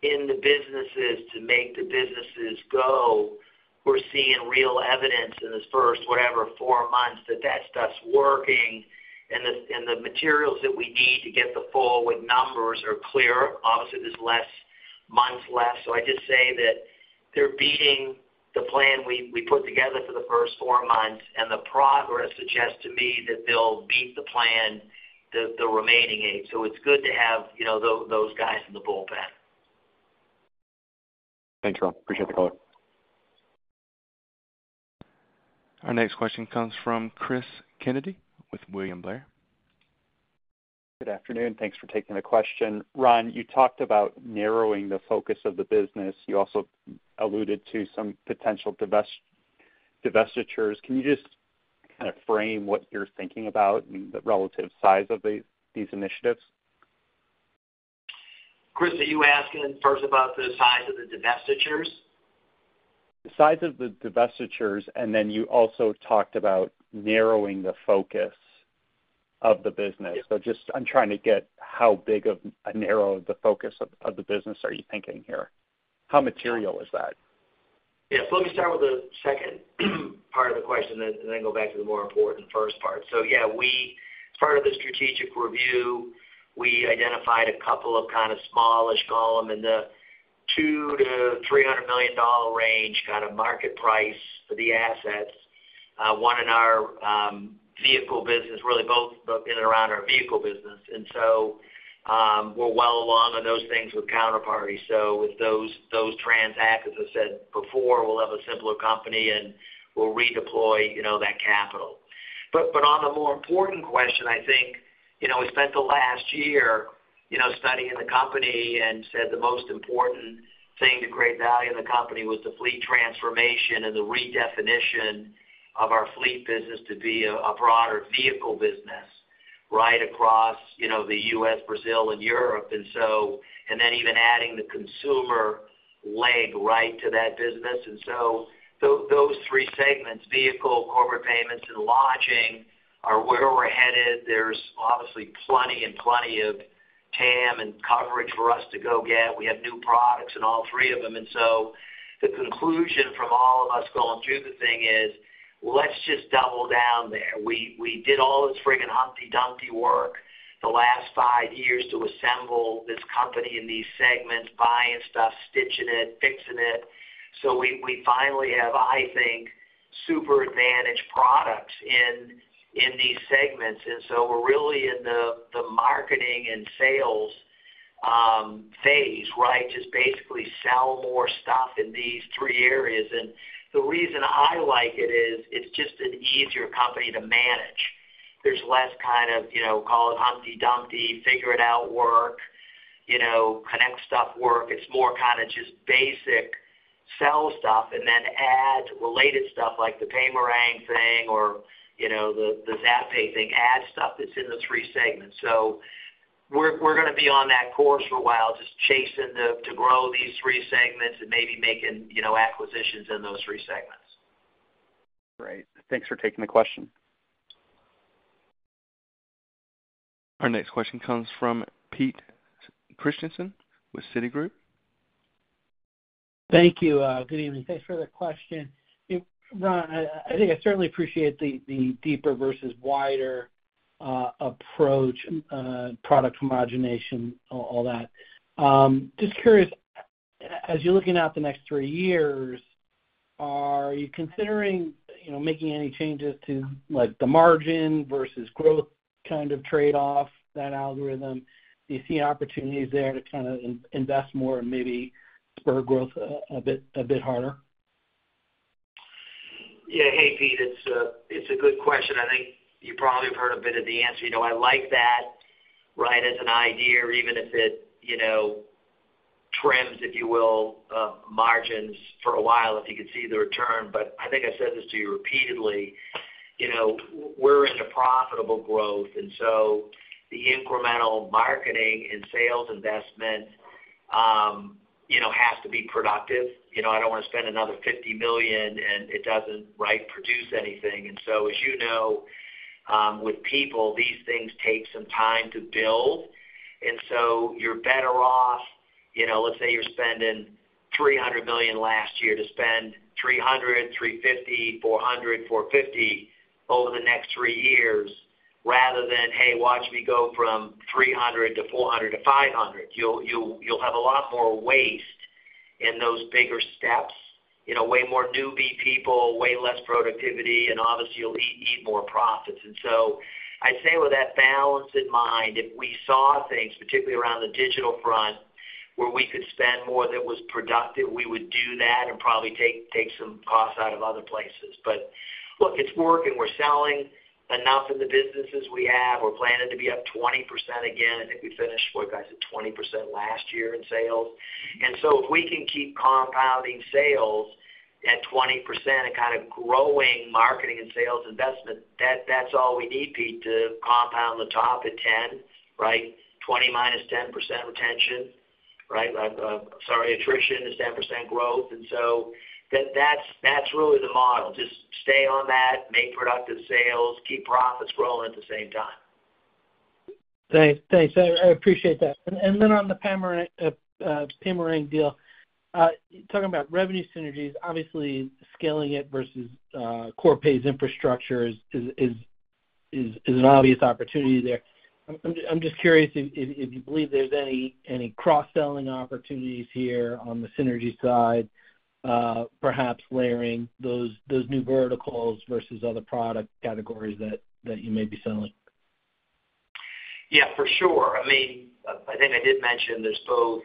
in the businesses to make the businesses go, we're seeing real evidence in this first, whatever, four months that that stuff's working. And the materials that we need to get the forward numbers are clear. Obviously, there's months less. So I just say that they're beating the plan we put together for the first four months, and the progress suggests to me that they'll beat the plan, the remaining eight. So it's good to have those guys in the bullpen. Thanks, Ron. Appreciate the color. Our next question comes from Cris Kennedy with William Blair. Good afternoon. Thanks for taking the question. Ron, you talked about narrowing the focus of the business. You also alluded to some potential divestitures. Can you just kind of frame what you're thinking about and the relative size of these initiatives? Cris, are you asking first about the size of the divestitures? The size of the divestitures, and then you also talked about narrowing the focus of the business. So I'm trying to get how big of a narrow of the focus of the business are you thinking here? How material is that? Yeah. So let me start with the second part of the question, and then go back to the more important first part. So yeah, as part of the strategic review, we identified a couple of kind of small-ish column in the $200 million-$300 million range kind of market price for the assets, one in our vehicle business, really both in and around our vehicle business. And so we're well along on those things with counterparties. So with those transactions, as I said before, we'll have a simpler company, and we'll redeploy that capital. But on the more important question, I think we spent the last year studying the company and said the most important thing to create value in the company was the fleet transformation and the redefinition of our fleet business to be a broader vehicle business right across the US, Brazil, and Europe, and then even adding the consumer leg right to that business. And so those three segments, vehicle, corporate payments, and lodging, are where we're headed. There's obviously plenty and plenty of TAM and coverage for us to go get. We have new products in all three of them. And so the conclusion from all of us going through the thing is, "Let's just double down there." We did all this frigging hunky-dory work the last five years to assemble this company in these segments, buying stuff, stitching it, fixing it. So we finally have, I think, super advantaged products in these segments. We're really in the marketing and sales phase, right, just basically sell more stuff in these three areas. The reason I like it is it's just an easier company to manage. There's less kind of call it hunky-dunky, figure it out work, connect stuff work. It's more kind of just basic sell stuff and then add related stuff like the Paymerang thing or the Zapay thing, add stuff that's in the three segments. We're going to be on that course for a while, just chasing to grow these three segments and maybe making acquisitions in those three segments. Great. Thanks for taking the question. Our next question comes from Pete Christiansen with Citigroup. Thank you. Good evening. Thanks for the question. Ron, I think I certainly appreciate the deeper versus wider approach, product homogenization, all that. Just curious, as you're looking out the next three years, are you considering making any changes to the margin versus growth kind of trade-off, that algorithm? Do you see opportunities there to kind of invest more and maybe spur growth a bit harder? Yeah. Hey, Pete. It's a good question. I think you probably have heard a bit of the answer. I like that, right, as an idea, even if it trims, if you will, margins for a while, if you could see the return. But I think I've said this to you repeatedly. We're in a profitable growth, and so the incremental marketing and sales investment has to be productive. I don't want to spend another $50 million, and it doesn't, right, produce anything. And so, as you know, with people, these things take some time to build. And so you're better off, let's say you're spending $300 million last year, to spend $300 million, $350 million, $400 million, $450 million over the next three years rather than, "Hey, watch me go from $300 million to $400 million to $500 million." You'll have a lot more waste in those bigger steps, way more newbie people, way less productivity, and obviously, you'll eat more profits. And so I'd say with that balance in mind, if we saw things, particularly around the digital front, where we could spend more that was productive, we would do that and probably take some costs out of other places. But look, it's working. We're selling enough in the businesses we have. We're planning to be up 20% again. I think we finished - what did I say? - 20% last year in sales. If we can keep compounding sales at 20% and kind of growing marketing and sales investment, that's all we need, Pete, to compound the top at 10, right? 20 minus 10% retention, right? Sorry, attrition is 10% growth. That's really the model. Just stay on that, make productive sales, keep profits growing at the same time. Thanks. Thanks. I appreciate that. And then on the Paymerang deal, talking about revenue synergies, obviously, scaling it versus corporate payments infrastructure is an obvious opportunity there. I'm just curious if you believe there's any cross-selling opportunities here on the synergy side, perhaps layering those new verticals versus other product categories that you may be selling. Yeah, for sure. I mean, I think I did mention there's both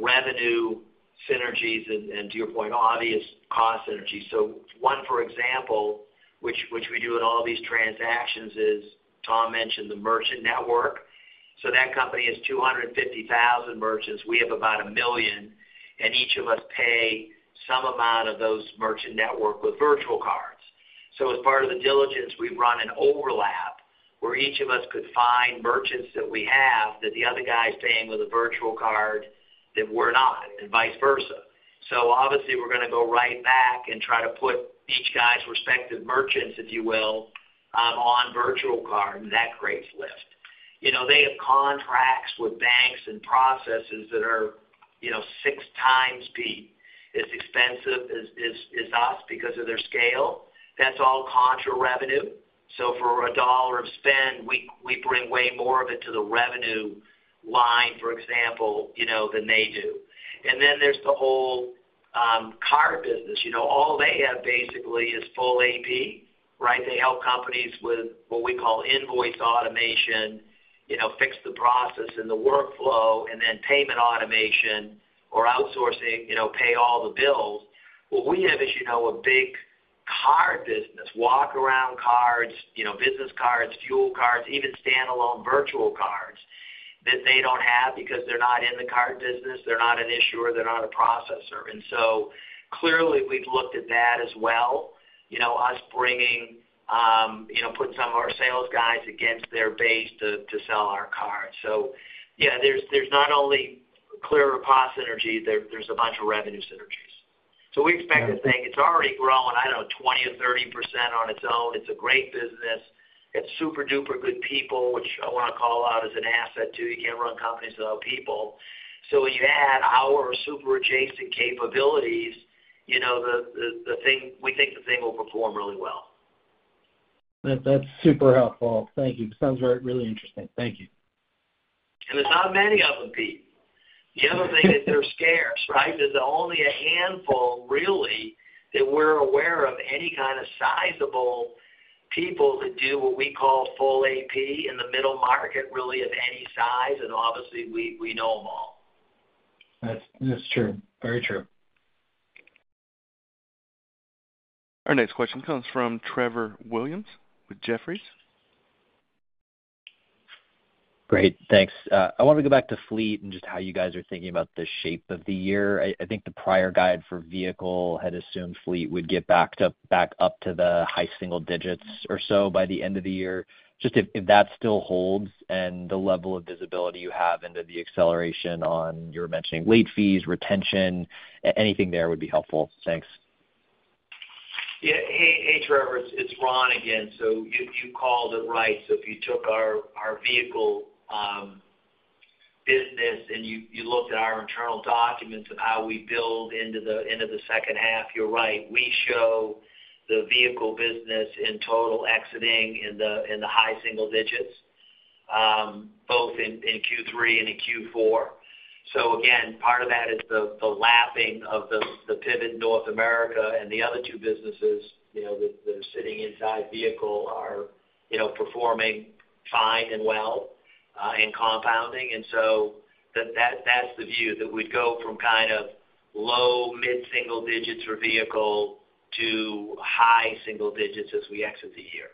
revenue synergies and, to your point, obvious cost synergies. So one, for example, which we do in all these transactions, is Tom mentioned the merchant network. So that company has 250,000 merchants. We have about 1 million, and each of us pay some amount of those merchant network with virtual cards. So as part of the diligence, we've run an overlap where each of us could find merchants that we have that the other guy's paying with a virtual card that we're not and vice versa. So obviously, we're going to go right back and try to put each guy's respective merchants, if you will, on virtual card, and that creates lift. They have contracts with banks and processes that are 6 times as expensive as us because of their scale. That's all contra-revenue. So for a dollar of spend, we bring way more of it to the revenue line, for example, than they do. And then there's the whole card business. All they have basically is full AP, right? They help companies with what we call invoice automation, fix the process and the workflow, and then payment automation or outsourcing, pay all the bills. What we have, as you know, a big card business, walk-around cards, business cards, fuel cards, even standalone virtual cards that they don't have because they're not in the card business. They're not an issuer. They're not a processor. And so clearly, we've looked at that as well, us bringing, putting some of our sales guys against their base to sell our cards. So yeah, there's not only clearer cost synergy, there's a bunch of revenue synergies. So we expect this thing it's already growing, I don't know, 20% or 30% on its own. It's a great business. It's super duper good people, which I want to call out as an asset too. You can't run companies without people. So when you add our super adjacent capabilities, we think the thing will perform really well. That's super helpful. Thank you. Sounds really interesting. Thank you. There's not many of them, Pete. The other thing is they're scarce, right? There's only a handful, really, that we're aware of any kind of sizable people that do what we call Full AP in the middle market, really, of any size. Obviously, we know them all. That's true. Very true. Our next question comes from Trevor Williams with Jefferies. Great. Thanks. I want to go back to fleet and just how you guys are thinking about the shape of the year. I think the prior guide for vehicle had assumed fleet would get back up to the high single digits or so by the end of the year. Just, if that still holds and the level of visibility you have into the acceleration, and you were mentioning late fees, retention, anything there would be helpful. Thanks. Yeah. Hey, Trevor. It's Ron again. So you called it right. So if you took our vehicle business and you looked at our internal documents of how we build into the H2, you're right. We show the vehicle business in total exiting in the high single digits, both in Q3 and in Q4. So again, part of that is the lapping of the pivot North America. And the other two businesses that are sitting inside vehicle are performing fine and well and compounding. And so that's the view, that we'd go from kind of low, mid-single digits for vehicle to high single digits as we exit the year.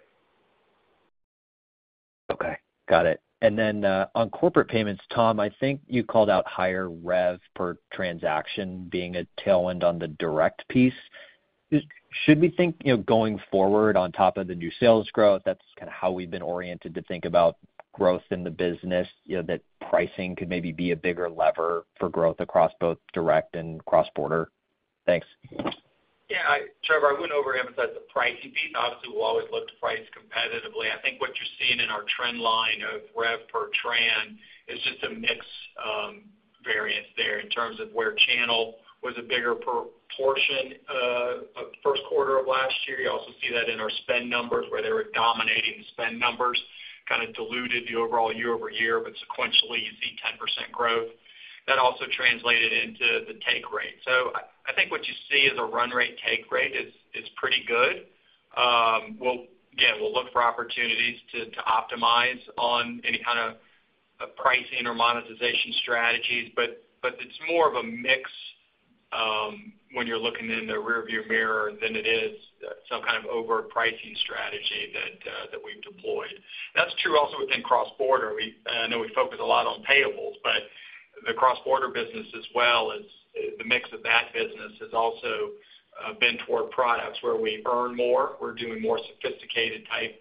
Okay. Got it. And then on corporate payments, Tom, I think you called out higher rev per transaction being a tailwind on the direct piece. Should we think going forward, on top of the new sales growth, that's kind of how we've been oriented to think about growth in the business, that pricing could maybe be a bigger lever for growth across both direct and cross-border? Thanks. Yeah. Trevor, I wouldn't overemphasize the pricing piece. Obviously, we'll always look to price competitively. I think what you're seeing in our trend line of rev per tran is just a mixed variance there in terms of where channel was a bigger proportion Q1 of last year. You also see that in our spend numbers where they were dominating the spend numbers, kind of diluted the overall year-over-year, but sequentially, you see 10% growth. That also translated into the take rate. So I think what you see as a run rate take rate is pretty good. Again, we'll look for opportunities to optimize on any kind of pricing or monetization strategies, but it's more of a mix when you're looking in the rearview mirror than it is some kind of overt pricing strategy that we've deployed. That's true also within cross-border. I know we focus a lot on payables, but the cross-border business as well. The mix of that business has also been toward products where we earn more. We're doing more sophisticated-type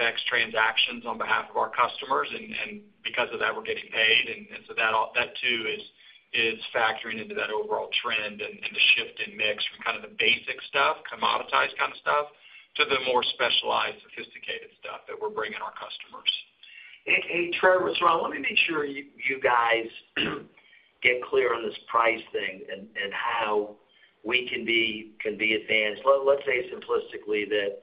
FX transactions on behalf of our customers, and because of that, we're getting paid. And so that too is factoring into that overall trend and the shift in mix from kind of the basic stuff, commoditized kind of stuff, to the more specialized, sophisticated stuff that we're bringing our customers. Hey, Trevor. So, let me make sure you guys get clear on this price thing and how we can be advanced. Let's say simplistically that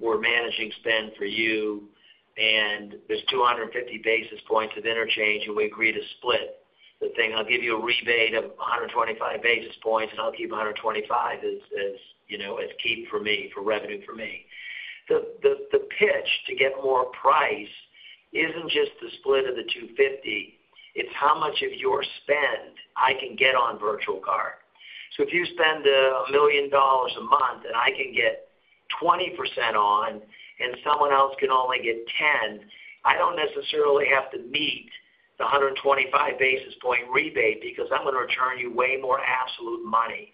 we're managing spend for you, and there's 250 basis points of interchange, and we agree to split the thing. I'll give you a rebate of 125 basis points, and I'll keep 125 as keep for me, for revenue for me. The pitch to get more price isn't just the split of the 250. It's how much of your spend I can get on virtual card. So if you spend $1 million a month and I can get 20% on and someone else can only get 10%, I don't necessarily have to meet the 125 basis point rebate because I'm going to return you way more absolute money.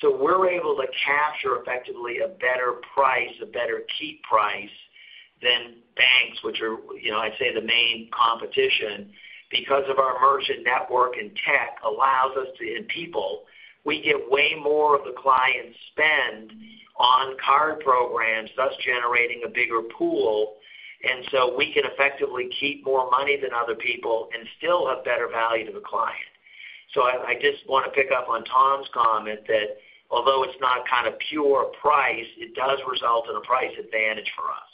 So we're able to capture effectively a better price, a better keep price than banks, which are, I'd say, the main competition because of our merchant network and tech allows us to and people. We get way more of the client's spend on card programs, thus generating a bigger pool. And so we can effectively keep more money than other people and still have better value to the client. I just want to pick up on Tom's comment that although it's not kind of pure price, it does result in a price advantage for us.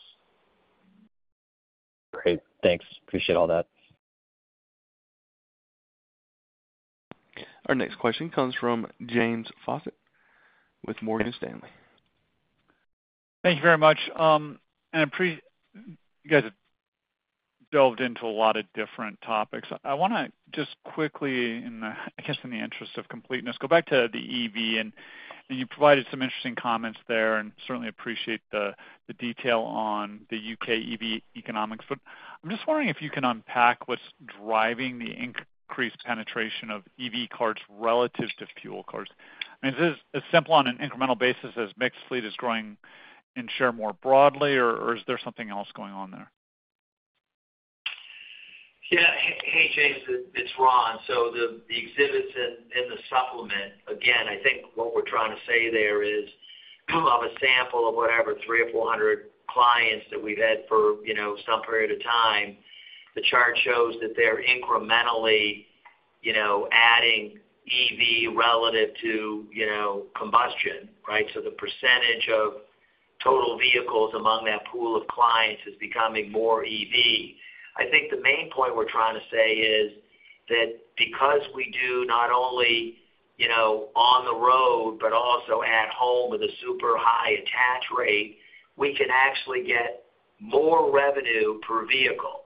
Great. Thanks. Appreciate all that. Our next question comes from James Faucette with Morgan Stanley. Thank you very much. You guys have delved into a lot of different topics. I want to just quickly, I guess, in the interest of completeness, go back to the EV, and you provided some interesting comments there and certainly appreciate the detail on the UK EV economics. I'm just wondering if you can unpack what's driving the increased penetration of EV cards relative to fuel cards. I mean, is this as simple on an incremental basis as mixed fleet is growing in share more broadly, or is there something else going on there? Yeah. Hey, James. It's Ron. So the exhibits in the supplement, again, I think what we're trying to say there is of a sample of whatever 3 or 400 clients that we've had for some period of time, the chart shows that they're incrementally adding EV relative to combustion, right? So the percentage of total vehicles among that pool of clients is becoming more EV. I think the main point we're trying to say is that because we do not only on the road but also at home with a super high attach rate, we can actually get more revenue per vehicle,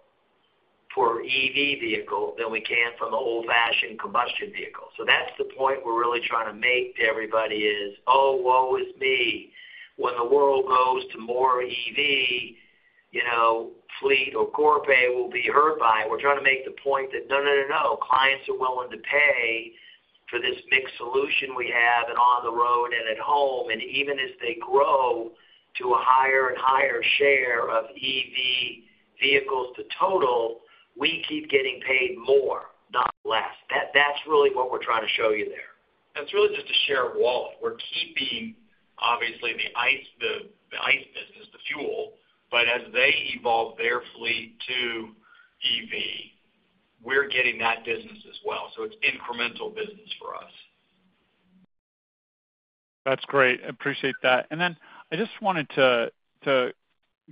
per EV vehicle, than we can from the old-fashioned combustion vehicle. So that's the point we're really trying to make to everybody is, "Oh, woe is me. When the world goes to more EV, fleet or corporate pay will be hurt by it." We're trying to make the point that, "No, no, no, no. Clients are willing to pay for this mixed solution we have and on the road and at home. And even as they grow to a higher and higher share of EV vehicles to total, we keep getting paid more, not less." That's really what we're trying to show you there. And it's really just a shared wallet. We're keeping, obviously, the ICE business, the fuel, but as they evolve their fleet to EV, we're getting that business as well. So it's incremental business for us. That's great. I appreciate that. And then I just wanted to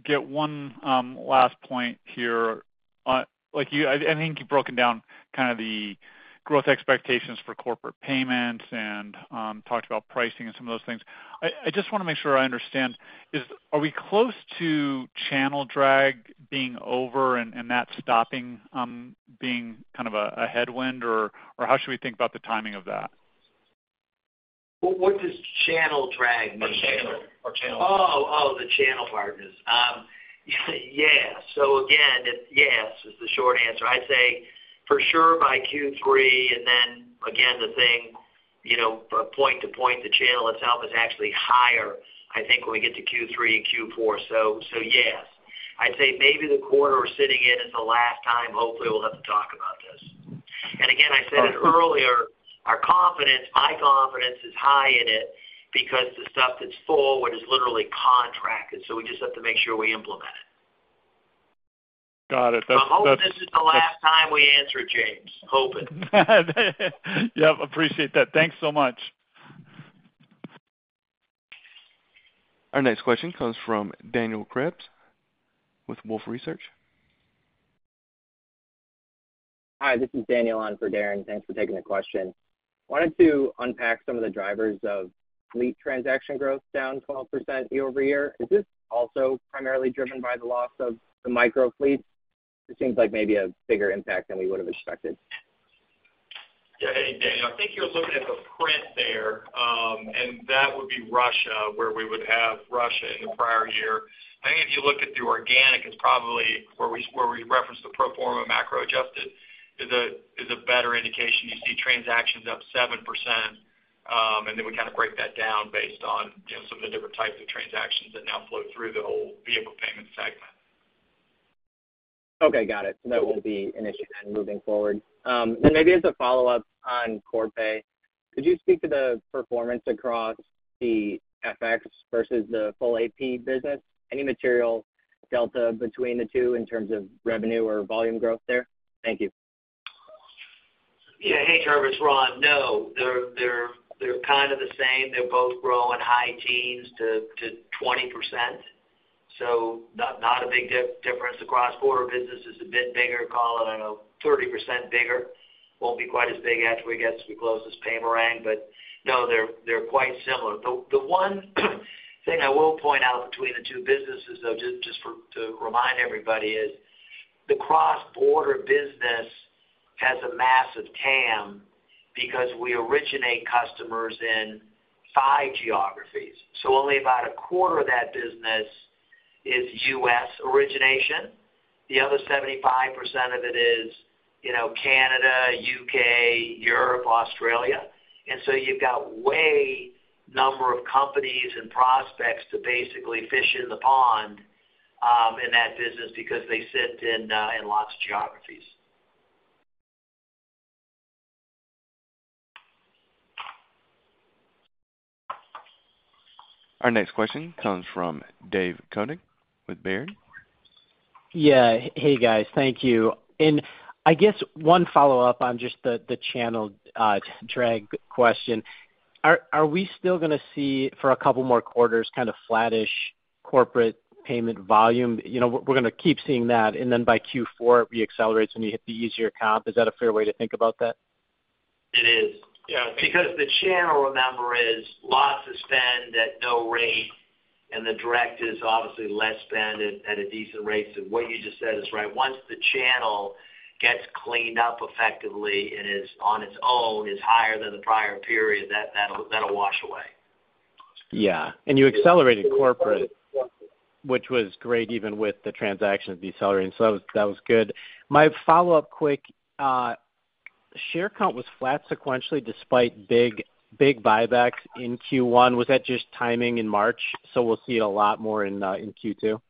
get one last point here. I think you've broken down kind of the growth expectations for corporate payments and talked about pricing and some of those things. I just want to make sure I understand. Are we close to channel drag being over and that stopping being kind of a headwind, or how should we think about the timing of that? What does channel drag mean? Oh, channel. Oh, the channel part is. Yeah. So again, yes is the short answer. I'd say for sure by Q3. And then again, the thing, point to point, the channel itself is actually higher, I think, when we get to Q3 and Q4. So yes. I'd say maybe the quarter we're sitting in is the last time. Hopefully, we'll have to talk about this. And again, I said it earlier, my confidence is high in it because the stuff that's full, it is literally contracted. So we just have to make sure we implement it. Got it. I hope this is the last time we answer it, James. Hoping. Yep. Appreciate that. Thanks so much. Our next question comes from Daniel Krebs with Wolfe Research. Hi. This is Daniel on for Darin. Thanks for taking the question. Wanted to unpack some of the drivers of fleet transaction growth down 12% year-over-year. Is this also primarily driven by the loss of the micro fleet? This seems like maybe a bigger impact than we would have expected. Yeah. Hey, Daniel. I think you're looking at the print there, and that would be Russia where we would have Russia in the prior year. I think if you look at the organic, it's probably where we referenced the pro forma macro adjusted is a better indication. You see transactions up 7%, and then we kind of break that down based on some of the different types of transactions that now flow through the whole vehicle payment segment. Okay. Got it. That won't be an issue then moving forward. Maybe as a follow-up on Corpay, could you speak to the performance across the FX versus the full AP business? Any material delta between the two in terms of revenue or volume growth there? Thank you. Yeah. Hey, Trevor. It's Ron. No. They're kind of the same. They're both growing high teens to 20%. So not a big difference. The cross-border business is a bit bigger, call it, I don't know, 30% bigger. Won't be quite as big after we close the Paymerang. But no, they're quite similar. The one thing I will point out between the two businesses, though, just to remind everybody, is the cross-border business has a massive TAM because we originate customers in five geographies. So only about a quarter of that business is U.S. origination. The other 75% of it is Canada, U.K., Europe, Australia. And so you've got way number of companies and prospects to basically fish in the pond in that business because they sit in lots of geographies. Our next question comes from David Koning with Baird. Yeah. Hey, guys. Thank you. I guess one follow-up on just the channel drag question. Are we still going to see for a couple more quarters kind of flat-ish corporate payment volume? We're going to keep seeing that. Then by Q4, it reaccelerates when you hit the easier comp. Is that a fair way to think about that? It is. Yeah. Because the channel number is lots of spend at no rate, and the direct is obviously less spend at a decent rate. So what you just said is right. Once the channel gets cleaned up effectively and is on its own, is higher than the prior period, that'll wash away. Yeah. And you accelerated corporate, which was great even with the transactions decelerating. So that was good. My follow-up quick, share count was flat sequentially despite big buybacks in Q1. Was that just timing in March? So we'll see it a lot more in Q2?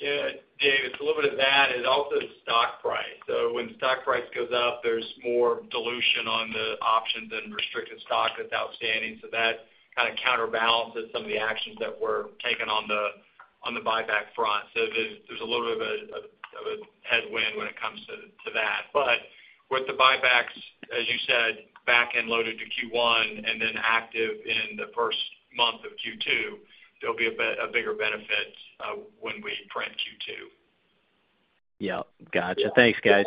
Yeah, Dave. It's a little bit of that. It's also the stock price. So when stock price goes up, there's more dilution on the options and restricted stock that's outstanding. So that kind of counterbalances some of the actions that were taken on the buyback front. So there's a little bit of a headwind when it comes to that. But with the buybacks, as you said, backend loaded to Q1 and then active in the first month of Q2, there'll be a bigger benefit when we print Q2. Yep. Gotcha. Thanks, guys.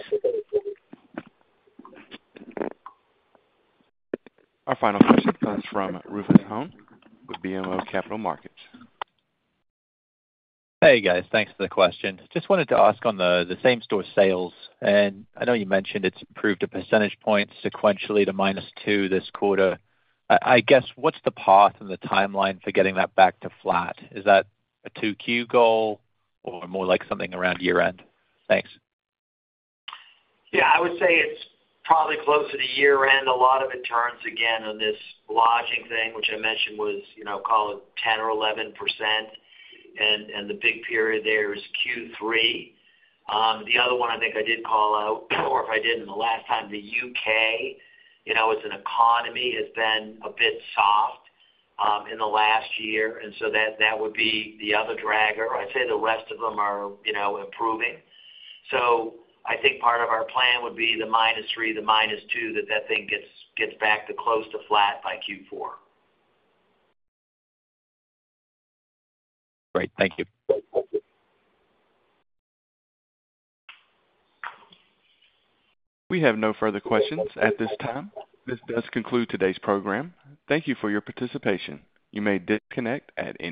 Our final question comes from Rufus Hone with BMO Capital Markets. Hey, guys. Thanks for the question. Just wanted to ask on the same-store sales. And I know you mentioned it's improved a percentage point sequentially to -2% this quarter. I guess what's the path and the timeline for getting that back to flat? Is that a 2Q goal or more like something around year-end? Thanks. Yeah. I would say it's probably closer to year-end. A lot of it turns, again, on this lodging thing, which I mentioned was call it 10% or 11%. And the big period there is Q3. The other one I think I did call out, or if I didn't the last time, the U.K., as an economy, has been a bit soft in the last year. And so that would be the other dragger. I'd say the rest of them are improving. So I think part of our plan would be the -3, the -2, that that thing gets back to close to flat by Q4. Great. Thank you. We have no further questions at this time. This does conclude today's program. Thank you for your participation. You may disconnect at any.